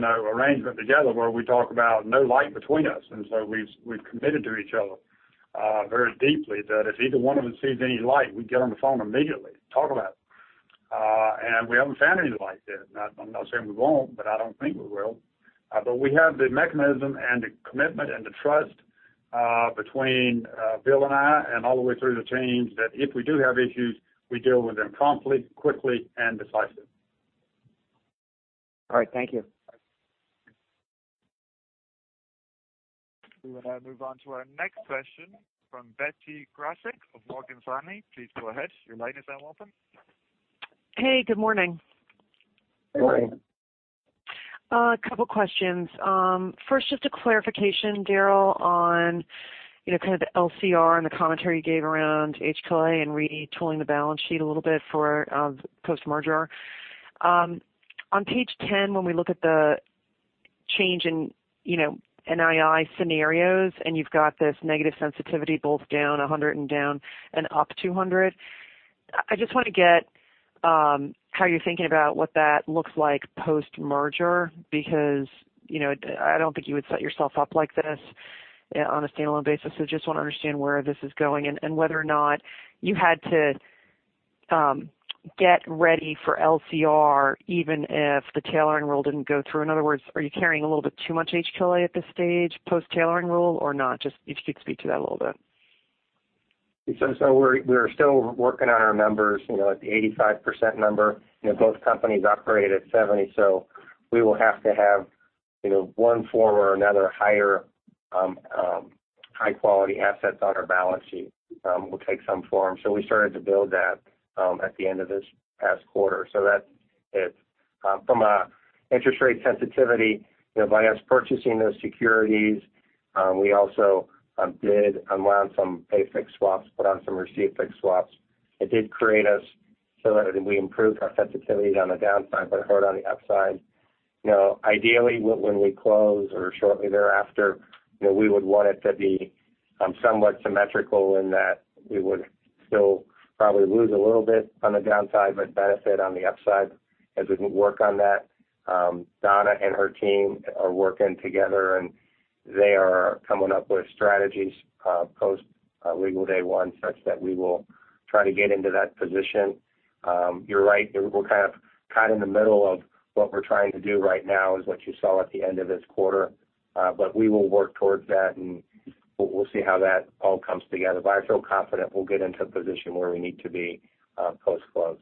arrangement together where we talk about no light between us. We've committed to each other very deeply that if either one of us sees any light, we get on the phone immediately to talk about it. We haven't found any light there. I'm not saying we won't, but I don't think we will. We have the mechanism and the commitment and the trust between Bill and I, and all the way through the teams, that if we do have issues, we deal with them promptly, quickly, and decisively. All right. Thank you. We will now move on to our next question from Betsy Graseck of Morgan Stanley. Please go ahead. Your line is now open. Hey, good morning. Morning. A couple questions. First, just a clarification, Daryl, on kind of the LCR and the commentary you gave around HQLA and retooling the balance sheet a little bit for post-merger. On page 10, when we look at the change in NII scenarios, and you've got this negative sensitivity both down 100 and down and up 200, I just want to get how you're thinking about what that looks like post-merger, because I don't think you would set yourself up like this on a standalone basis. Just want to understand where this is going and whether or not you had to get ready for LCR even if the tailoring rule didn't go through. In other words, are you carrying a little bit too much HQLA at this stage post-tailoring rule or not? If you could speak to that a little bit. We're still working on our numbers, at the 85% number. Both companies operate at 70, so we will have to have one form or another higher high-quality assets on our balance sheet. We'll take some form. We started to build that at the end of this past quarter. That's it. From an interest rate sensitivity, by us purchasing those securities, we also did unwind some pay fixed swaps, put on some receive fixed swaps. It did create us so that we improved our sensitivity on the downside, but hard on the upside. Ideally, when we close or shortly thereafter, we would want it to be somewhat symmetrical in that we would still probably lose a little bit on the downside, but benefit on the upside as we work on that. Donna and her team are working together, and they are coming up with strategies post-legal day one such that we will try to get into that position. You're right, we're kind of caught in the middle of what we're trying to do right now is what you saw at the end of this quarter. We will work towards that, and we'll see how that all comes together. I feel confident we'll get into a position where we need to be post-close.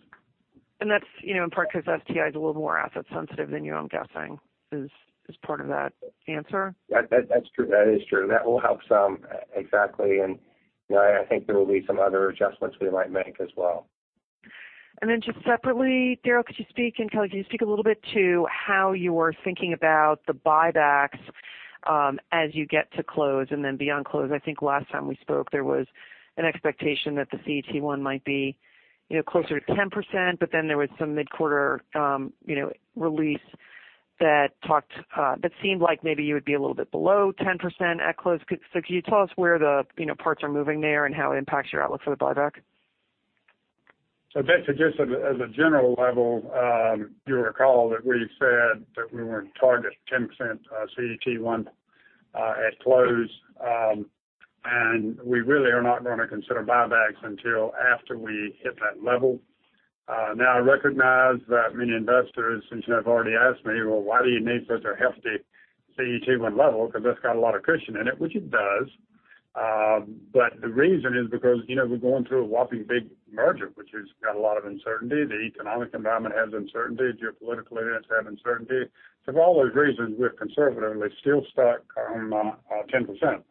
That's in part because STI is a little more asset sensitive than you, I'm guessing, is part of that answer. That is true. That will help some. Exactly. I think there will be some other adjustments we might make as well. Just separately, Daryl, could you speak, and Kelly, could you speak a little bit to how you are thinking about the buybacks as you get to close and then beyond close? I think last time we spoke, there was an expectation that the CET1 might be closer to 10%, but then there was some mid-quarter release that seemed like maybe you would be a little bit below 10% at close. Can you tell us where the parts are moving there and how it impacts your outlook for the buyback? Betsy, just as a general level, you'll recall that we said that we would target 10% CET1 at close. We really are not going to consider buybacks until after we hit that level. Now, I recognize that many investors, since you have already asked me, "Well, why do you need such a hefty CET1 level? Because that's got a lot of cushion in it," which it does. The reason is because we're going through a whopping big merger, which has got a lot of uncertainty. The economic environment has uncertainty. Geopolitical events have uncertainty. For all those reasons, we're conservatively still stuck on 10%.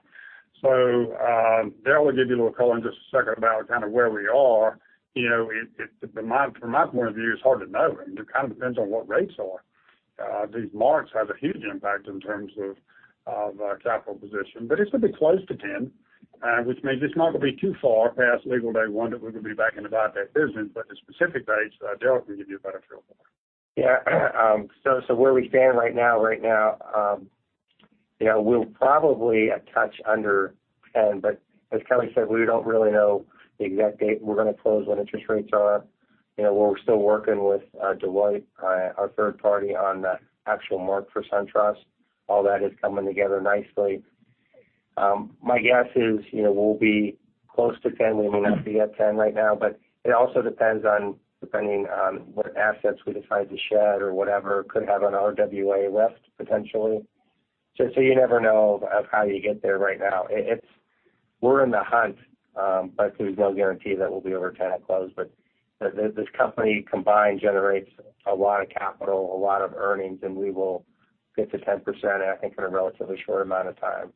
Daryl will give you a little color in just a second about kind of where we are. From my point of view, it's hard to know. It kind of depends on what rates are. These marks have a huge impact in terms of our capital position, but it's going to be close to 10, which means it's not going to be too far past legal day one that we're going to be back in the buyback business. The specific dates, Daryl can give you a better feel for. Where we stand right now, we'll probably touch under 10. As Kelly King said, we don't really know the exact date we're going to close when interest rates are up. We're still working with Deloitte, our third party, on the actual mark for SunTrust. All that is coming together nicely. My guess is we'll be close to 10. We may not be at 10 right now. It also depends on what assets we decide to shed or whatever could have an RWA lift, potentially. You never know of how you get there right now. We're in the hunt, there's no guarantee that we'll be over 10 at close. This company combined generates a lot of capital, a lot of earnings, and we will get to 10%, I think, in a relatively short amount of time.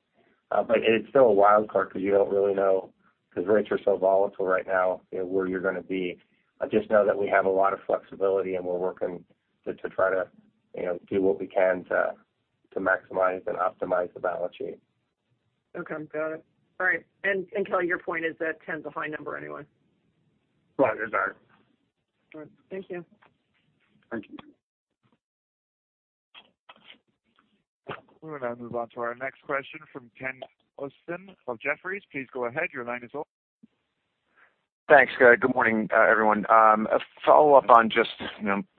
It's still a wild card because you don't really know because rates are so volatile right now where you're going to be. I just know that we have a lot of flexibility, and we're working to try to do what we can to maximize and optimize the balance sheet. Okay, got it. All right. Kelly, your point is that 10 is a high number anyway? Right. It's all right. All right. Thank you. Thank you. We will now move on to our next question from Ken Usdin of Jefferies. Please go ahead. Your line is open. Thanks. Good morning, everyone. A follow-up on just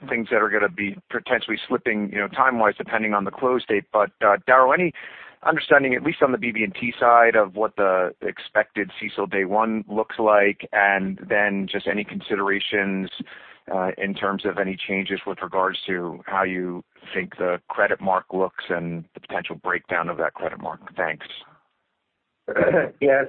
things that are going to be potentially slipping time-wise, depending on the close date. Daryl, any understanding, at least on the BB&T side, of what the expected CECL day one looks like? Then just any considerations in terms of any changes with regards to how you think the credit mark looks and the potential breakdown of that credit mark? Thanks. Yeah.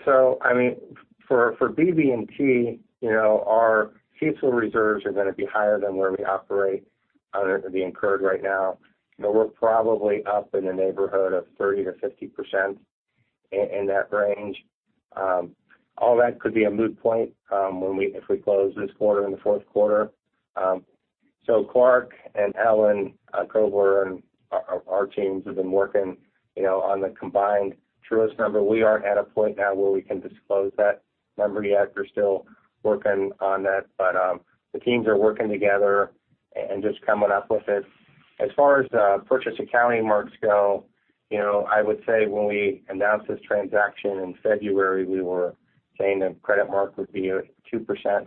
For BB&T, our CECL reserves are going to be higher than where we operate or be incurred right now, but we're probably up in the neighborhood of 30%-50%, in that range. All that could be a moot point if we close this quarter in the fourth quarter. Clarke and Daryl Bible and our teams have been working on the combined Truist number. We aren't at a point now where we can disclose that number yet. We're still working on that, the teams are working together and just coming up with it. As far as the purchase accounting marks go, I would say when we announced this transaction in February, we were saying the credit mark would be at 2%.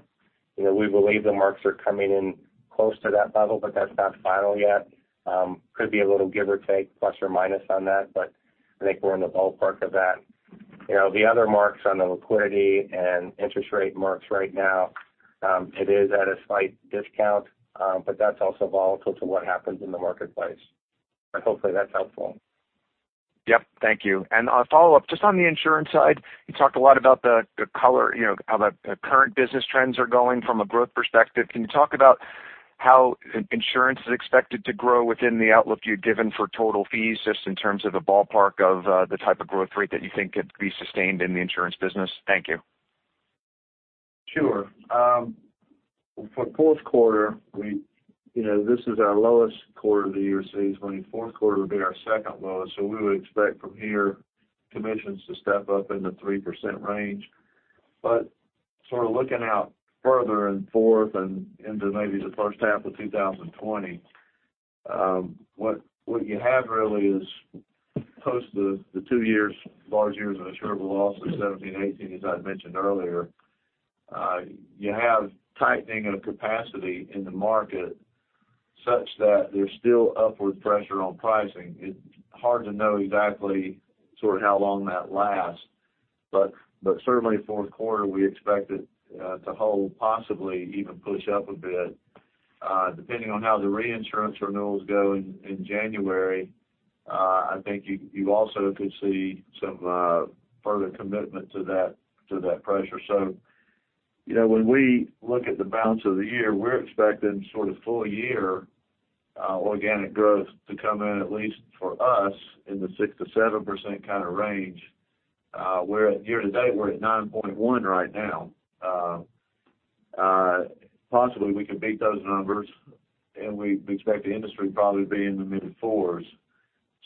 We believe the marks are coming in close to that level, that's not final yet. Could be a little give or take, plus or minus on that, but I think we're in the ballpark of that. The other marks on the liquidity and interest rate marks right now, it is at a slight discount, but that's also volatile to what happens in the marketplace. Hopefully that's helpful. Yep, thank you. A follow-up just on the insurance side, you talked a lot about how the current business trends are going from a growth perspective. Can you talk about how insurance is expected to grow within the outlook you'd given for total fees, just in terms of the ballpark of the type of growth rate that you think could be sustained in the insurance business? Thank you. Sure. For fourth quarter, this is our lowest quarter of the year, so fourth quarter would be our second lowest. We would expect from here commissions to step up in the 3% range. Sort of looking out further and forth and into maybe the first half of 2020, what you have really is post the two large years of insurable loss in 2017 and 2018, as I mentioned earlier. You have tightening of capacity in the market such that there's still upward pressure on pricing. It's hard to know exactly how long that lasts, but certainly fourth quarter, we expect it to hold, possibly even push up a bit. Depending on how the reinsurance renewals go in January, I think you also could see some further commitment to that pressure. When we look at the balance of the year, we're expecting full year organic growth to come in, at least for us, in the 6%-7% kind of range. Year to date, we're at 9.1 right now. Possibly we can beat those numbers, and we expect the industry to probably be in the mid fours.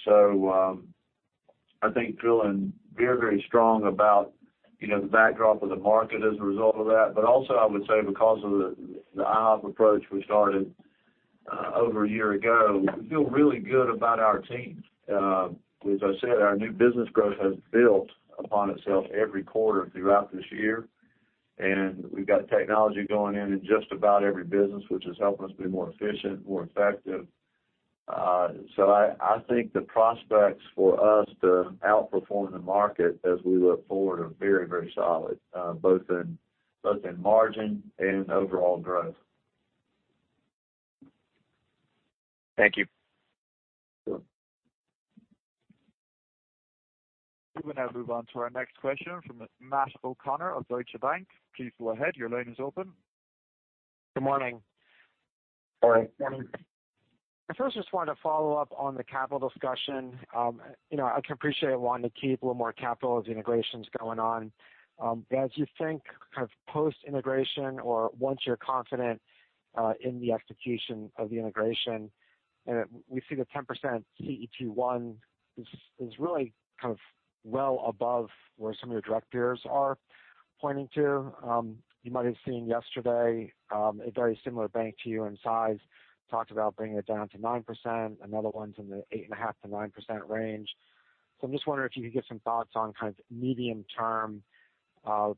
I think feeling very strong about the backdrop of the market as a result of that. Also, I would say because of the IHOP approach we started over a year ago, we feel really good about our teams. As I said, our new business growth has built upon itself every quarter throughout this year, and we've got technology going in just about every business, which is helping us be more efficient, more effective. I think the prospects for us to outperform the market as we look forward are very solid, both in margin and overall growth. Thank you. Sure. We will now move on to our next question from Matt O'Connor of Deutsche Bank. Please go ahead. Your line is open. Good morning. Morning. Morning. I first just wanted to follow up on the capital discussion. As you think kind of post-integration or once you're confident in the execution of the integration, and we see the 10% CET1 is really kind of well above where some of your direct peers are pointing to. You might have seen yesterday, a very similar bank to you in size, talked about bringing it down to 9%. Another one's in the 8.5%-9% range. I'm just wondering if you could give some thoughts on kind of medium term,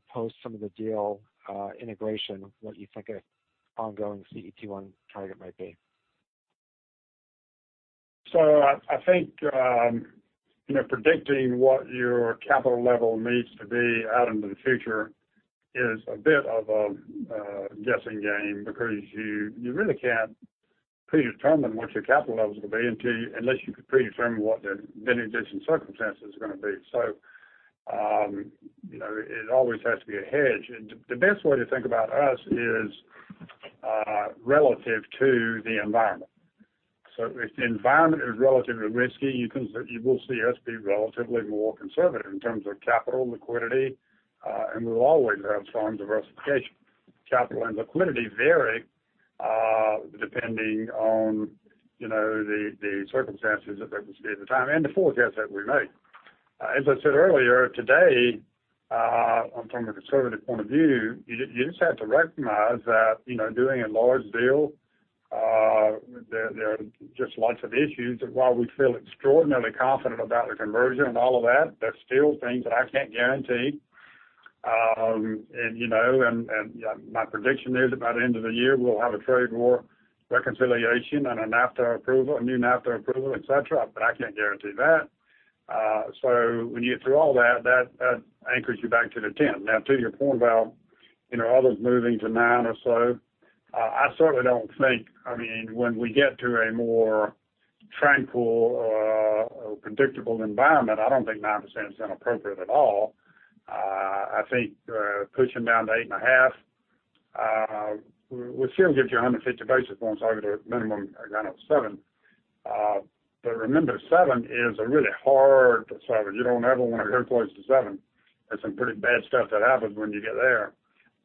post some of the deal integration, what you think an ongoing CET1 target might be. I think predicting what your capital level needs to be out into the future is a bit of a guessing game because you really can't predetermine what your capital levels will be unless you can predetermine what the vintage and circumstances are going to be. It always has to be a hedge. The best way to think about us is relative to the environment. If the environment is relatively risky, you will see us be relatively more conservative in terms of capital liquidity, and we'll always have strong diversification. Capital and liquidity vary depending on the circumstances at the time and the forecast that we make. As I said earlier today, from a conservative point of view, you just have to recognize that doing a large deal, there are just lots of issues. While we feel extraordinarily confident about the conversion and all of that, there's still things that I can't guarantee. My prediction is about end of the year, we'll have a trade war reconciliation and a new NAFTA approval, et cetera. I can't guarantee that. When you get through all that anchors you back to the 10. Now to your point about others moving to nine or so, when we get to a more tranquil or predictable environment, I don't think 9% is inappropriate at all. I think pushing down to 8.5 will still give you 150 basis points over the minimum requirement of seven. Remember, seven is a really hard seven. You don't ever want to get close to seven. There's some pretty bad stuff that happens when you get there.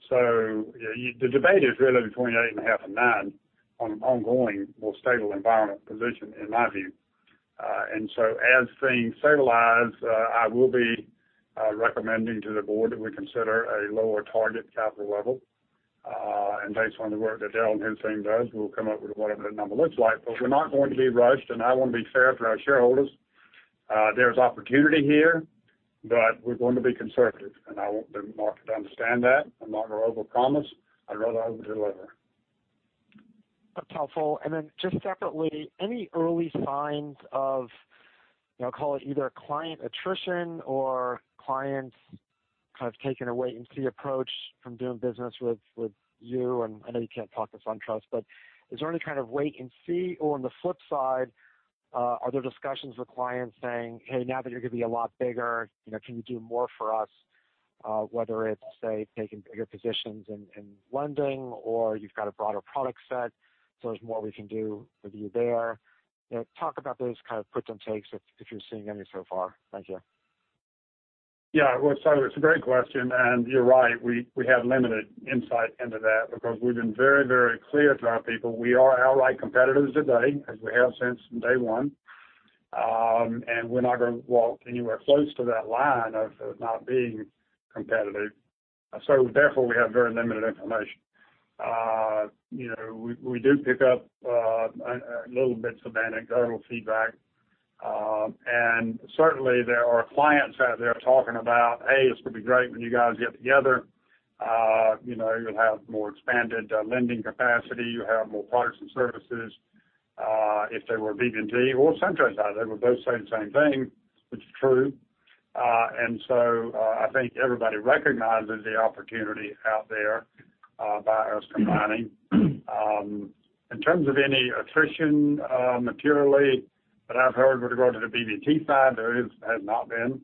The debate is really between 8.5 and nine on an ongoing, more stable environment position, in my view. As things stabilize, I will be recommending to the board that we consider a lower target capital level. Based on the work that Daryl and his team does, we'll come up with whatever that number looks like. We're not going to be rushed, and I want to be fair for our shareholders. There's opportunity here, but we're going to be conservative, and I want the market to understand that. I'm not going to overpromise. I'd rather overdeliver. That's helpful. Just separately, any early signs of, call it either client attrition or clients kind of taking a wait-and-see approach from doing business with you? I know you can't talk to SunTrust, but is there any kind of wait and see? On the flip side, are there discussions with clients saying, "Hey, now that you're going to be a lot bigger, can you do more for us?" Whether it's, say, taking bigger positions in lending or you've got a broader product set, there's more we can do with you there. Talk about those kind of gives and takes, if you're seeing any so far. Thank you. Yeah. Well, it's a great question, and you're right. We have limited insight into that because we've been very clear to our people. We are outright competitors today, as we have since day one. We're not going to walk anywhere close to that line of not being competitive. Therefore, we have very limited information. We do pick up little bits of anecdotal feedback. Certainly, there are clients out there talking about, "Hey, this would be great when you guys get together. You'll have more expanded lending capacity. You'll have more products and services." If they were BB&T or SunTrust, they would both say the same thing, which is true. I think everybody recognizes the opportunity out there by us combining. In terms of any attrition materially that I've heard with regard to the BB&T side, there has not been.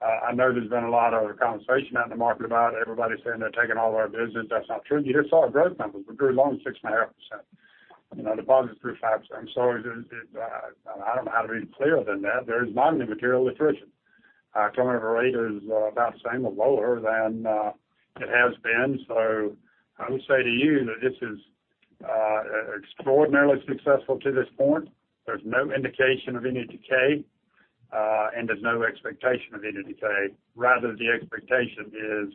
I know there's been a lot of conversation out in the market about everybody saying they're taking all of our business. That's not true. You just saw our growth numbers. We grew loans 6.5%. Deposits grew 5%. I don't know how to be clearer than that. There's not any material attrition. Our turnover rate is about the same or lower than it has been. I would say to you that this is extraordinarily successful to this point. There's no indication of any decay, and there's no expectation of any decay. Rather, the expectation is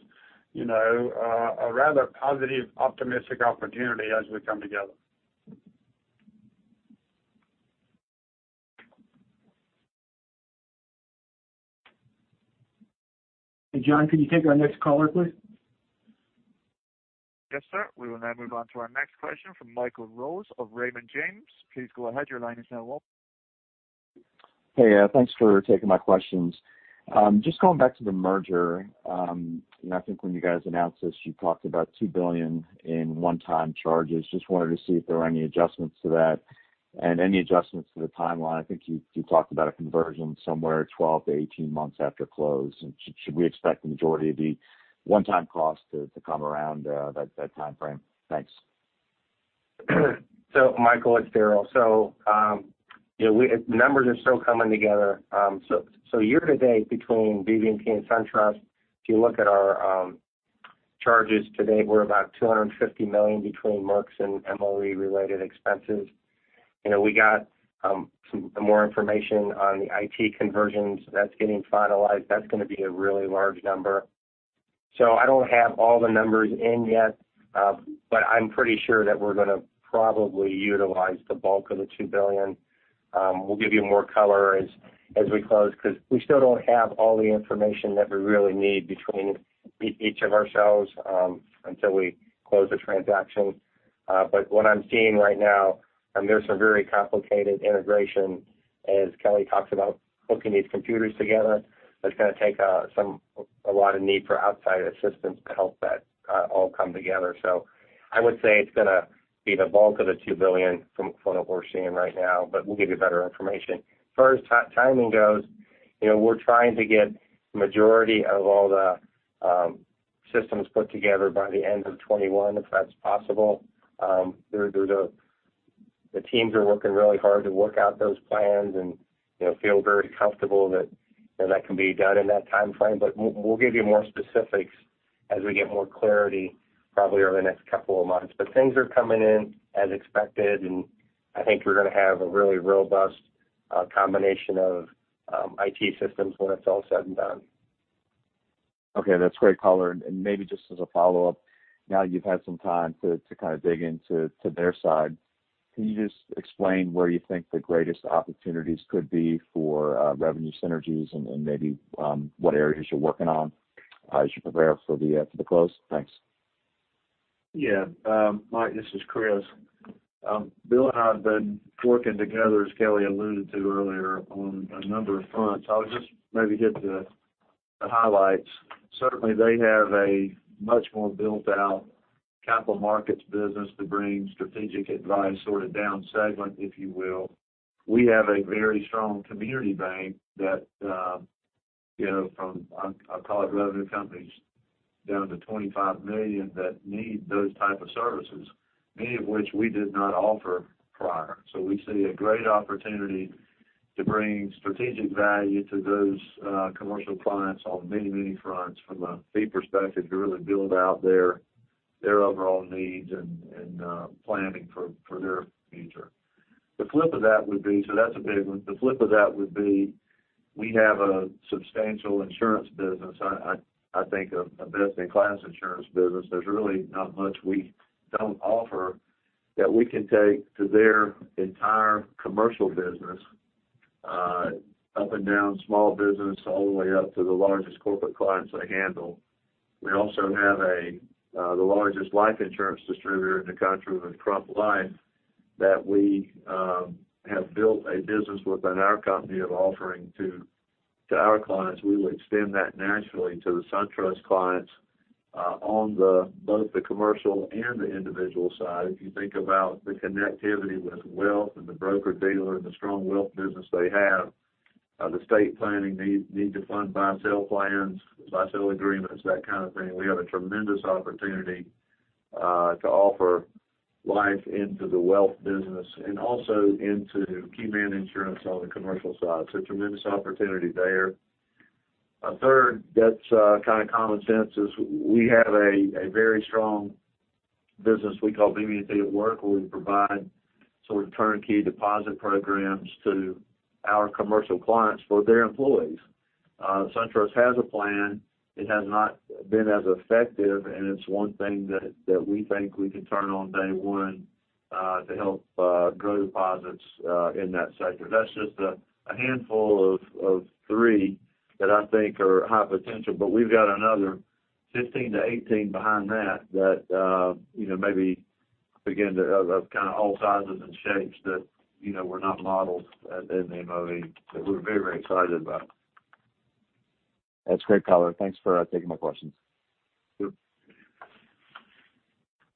a rather positive, optimistic opportunity as we come together. Hey, John, can you take our next caller, please? Yes, sir. We will now move on to our next question from Michael Rose of Raymond James. Please go ahead. Your line is now open. Hey. Thanks for taking my questions. Just going back to the merger. I think when you guys announced this, you talked about $2 billion in one-time charges. Just wanted to see if there were any adjustments to that and any adjustments to the timeline. I think you talked about a conversion somewhere 12-18 months after close. Should we expect the majority of the one-time cost to come around that timeframe? Thanks. Michael, it's Daryl. The numbers are still coming together. Year to date, between BB&T and SunTrust, if you look at our charges to date, we're about $250 million between marks and MOE-related expenses. We got some more information on the IT conversions. That's getting finalized. That's going to be a really large number. I don't have all the numbers in yet, but I'm pretty sure that we're going to probably utilize the bulk of the $2 billion. We'll give you more color as we close because we still don't have all the information that we really need between each of ourselves until we close the transaction. What I'm seeing right now, and there's some very complicated integration as Kelly talks about hooking these computers together. That's going to take a lot of need for outside assistance to help that all come together. I would say it's going to be the bulk of the $2 billion from what we're seeing right now, but we'll give you better information. As far as timing goes, we're trying to get majority of all the systems put together by the end of 2021, if that's possible. The teams are working really hard to work out those plans and feel very comfortable that that can be done in that timeframe. We'll give you more specifics As we get more clarity, probably over the next couple of months. Things are coming in as expected, and I think we're going to have a really robust combination of IT systems when it's all said and done. Okay. That's great color. Maybe just as a follow-up, now that you've had some time to dig into their side, can you just explain where you think the greatest opportunities could be for revenue synergies and maybe what areas you're working on as you prepare for the close? Thanks. Yeah. Mike, this is Chris. Bill and I have been working together, as Kelly alluded to earlier, on a number of fronts. I'll just maybe hit the highlights. Certainly, they have a much more built-out capital markets business to bring strategic advice down segment, if you will. We have a very strong community bank that from, I call it revenue companies down to $25 million, that need those type of services, many of which we did not offer prior. We see a great opportunity to bring strategic value to those commercial clients on many fronts from a fee perspective to really build out their overall needs and planning for their future. The flip of that would be, so that's a big one. The flip of that would be, we have a substantial insurance business, I think a best-in-class insurance business. There's really not much we don't offer that we can take to their entire commercial business up and down small business, all the way up to the largest corporate clients they handle. We also have the largest life insurance distributor in the country with Crump Life that we have built a business within our company of offering to our clients. We will extend that naturally to the SunTrust clients on both the commercial and the individual side. If you think about the connectivity with wealth and the broker-dealer and the strong wealth business they have, the estate planning need to fund buy-sell plans, buy-sell agreements, that kind of thing. We have a tremendous opportunity to offer life into the wealth business and also into key man insurance on the commercial side. Tremendous opportunity there. A third that's kind of common sense is we have a very strong business we call BB&T@Work, where we provide sort of turnkey deposit programs to our commercial clients for their employees. SunTrust has a plan. It has not been as effective, and it's one thing that we think we can turn on day 1 to help grow deposits in that sector. That's just a handful of three that I think are high potential, but we've got another 15 to 18 behind that, of kind of all sizes and shapes that were not modeled in the MOE that we're very excited about. That's great, Collier. Thanks for taking my questions. Sure.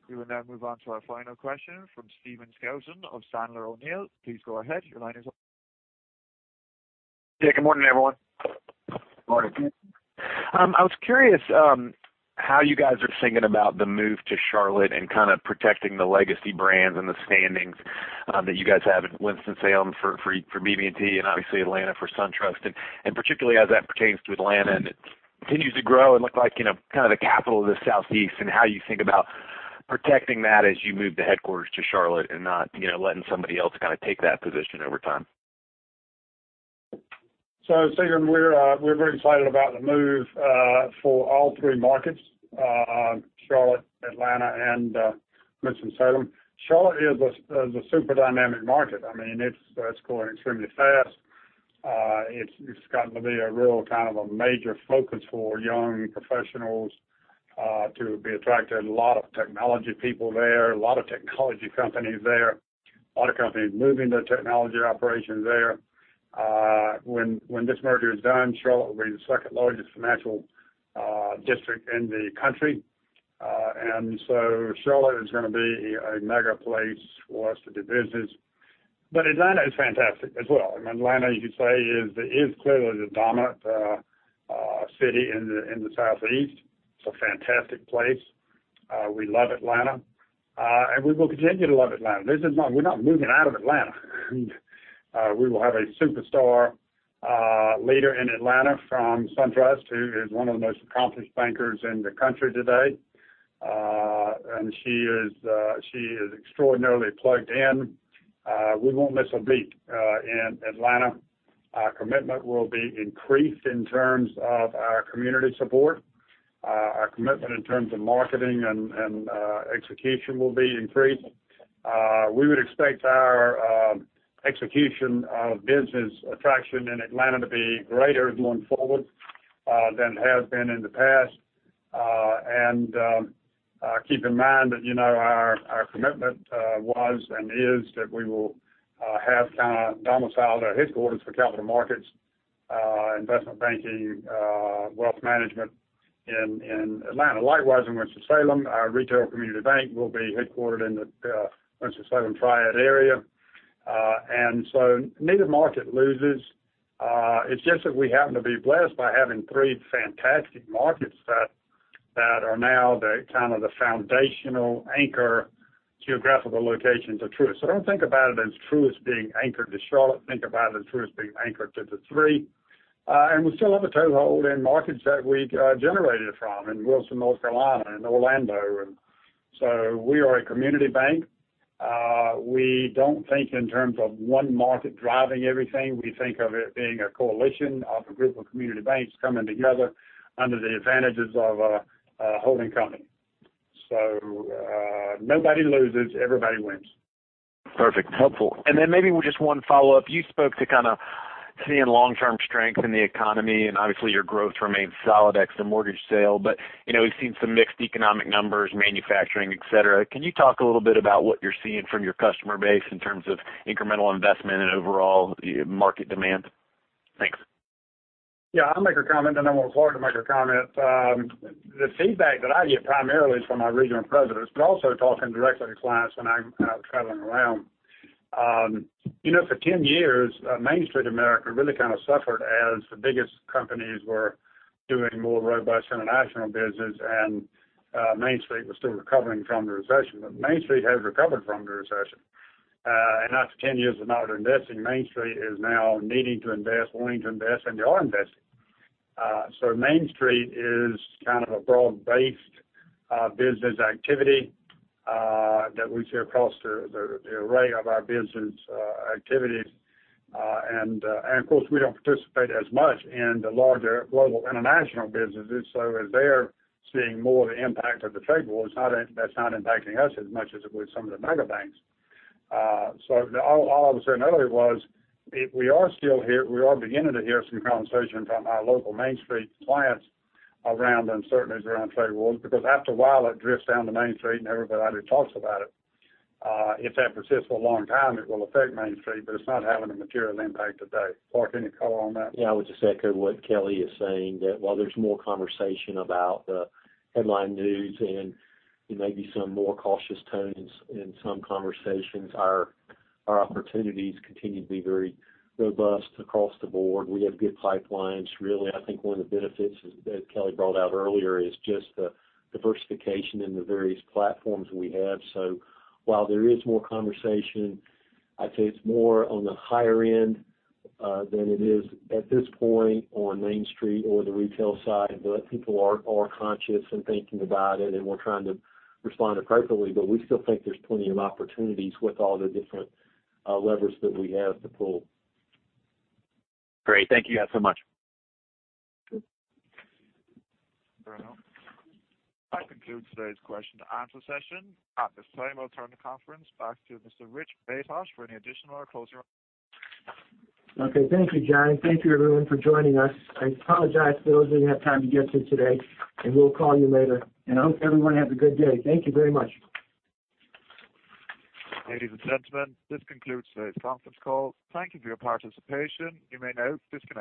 We will now move on to our final question from Stephen Scouten of Sandler O'Neill. Please go ahead. Your line is open. Yeah. Good morning, everyone. Morning. I was curious how you guys are thinking about the move to Charlotte and kind of protecting the legacy brands and the standings that you guys have in Winston-Salem for BB&T and obviously Atlanta for SunTrust, and particularly as that pertains to Atlanta and it continues to grow and look like kind of the capital of the Southeast, and how you think about protecting that as you move the headquarters to Charlotte and not letting somebody else take that position over time? Stephen, we're very excited about the move for all three markets, Charlotte, Atlanta and Winston-Salem. Charlotte is a super dynamic market. It's growing extremely fast. It's gotten to be a real kind of a major focus for young professionals to be attracted. A lot of technology people there, a lot of technology companies there. A lot of companies moving their technology operations there. When this merger is done, Charlotte will be the second largest financial district in the country. Charlotte is going to be a mega place for us to do business. Atlanta is fantastic as well. Atlanta, you could say, is clearly the dominant city in the Southeast. It's a fantastic place. We love Atlanta. We will continue to love Atlanta. We're not moving out of Atlanta. We will have a superstar leader in Atlanta from SunTrust who is one of the most accomplished bankers in the country today. She is extraordinarily plugged in. We won't miss a beat in Atlanta. Our commitment will be increased in terms of our community support. Our commitment in terms of marketing and execution will be increased. We would expect our execution of business attraction in Atlanta to be greater going forward than it has been in the past. Keep in mind that our commitment was and is that we will have kind of domiciled our headquarters for capital markets, investment banking, wealth management in Atlanta. Likewise, in Winston-Salem, our retail community bank will be headquartered in the Winston-Salem triad area. Neither market loses. It's just that we happen to be blessed by having three fantastic markets that are now the kind of the foundational anchor Geographical locations of Truist. Don't think about it as Truist being anchored to Charlotte, think about it as Truist being anchored to the three. We still have a toehold in markets that we generated from, in Wilson, North Carolina, and Orlando. We are a community bank. We don't think in terms of one market driving everything. We think of it being a coalition of a group of community banks coming together under the advantages of a holding company. Nobody loses, everybody wins. Perfect. Helpful. Maybe just one follow-up. You spoke to kind of seeing long-term strength in the economy, and obviously your growth remains solid ex the mortgage sale. We've seen some mixed economic numbers, manufacturing, et cetera. Can you talk a little bit about what you're seeing from your customer base in terms of incremental investment and overall market demand? Thanks. Yeah, I'll make a comment, and then we'll have Clarke to make a comment. The feedback that I get primarily is from our regional presidents, but also talking directly to clients when I'm traveling around. For 10 years, Main Street America really kind of suffered as the biggest companies were doing more robust international business, and Main Street was still recovering from the recession. Main Street has recovered from the recession. After 10 years of not investing, Main Street is now needing to invest, wanting to invest, and they are investing. Main Street is kind of a broad-based business activity that we see across the array of our business activities. Of course, we don't participate as much in the larger global international businesses. As they're seeing more of the impact of the trade wars, that's not impacting us as much as it would some of the mega banks. All I was saying earlier was, we are beginning to hear some conversation from our local Main Street clients around uncertainties around trade wars. After a while, it drifts down to Main Street and everybody talks about it. If that persists for a long time, it will affect Main Street, but it's not having a material impact today. Clarke, any color on that? Yeah, I would just echo what Kelly is saying, that while there's more conversation about the headline news and maybe some more cautious tones in some conversations, our opportunities continue to be very robust across the board. We have good pipelines. Really, I think one of the benefits that Kelly brought out earlier is just the diversification in the various platforms we have. While there is more conversation, I'd say it's more on the higher end than it is at this point on Main Street or the retail side. People are conscious and thinking about it, and we're trying to respond appropriately. We still think there's plenty of opportunities with all the different levers that we have to pull. Great. Thank you guys so much. Sure. That concludes today's question and answer session. At this time, I'll turn the conference back to Mr. Richard Baytosh for any additional or closing remarks. Okay, thank you, John. Thank you, everyone for joining us. I apologize for those we didn't have time to get to today, and we'll call you later. I hope everyone has a good day. Thank you very much. Ladies and gentlemen, this concludes today's conference call. Thank you for your participation. You may now disconnect.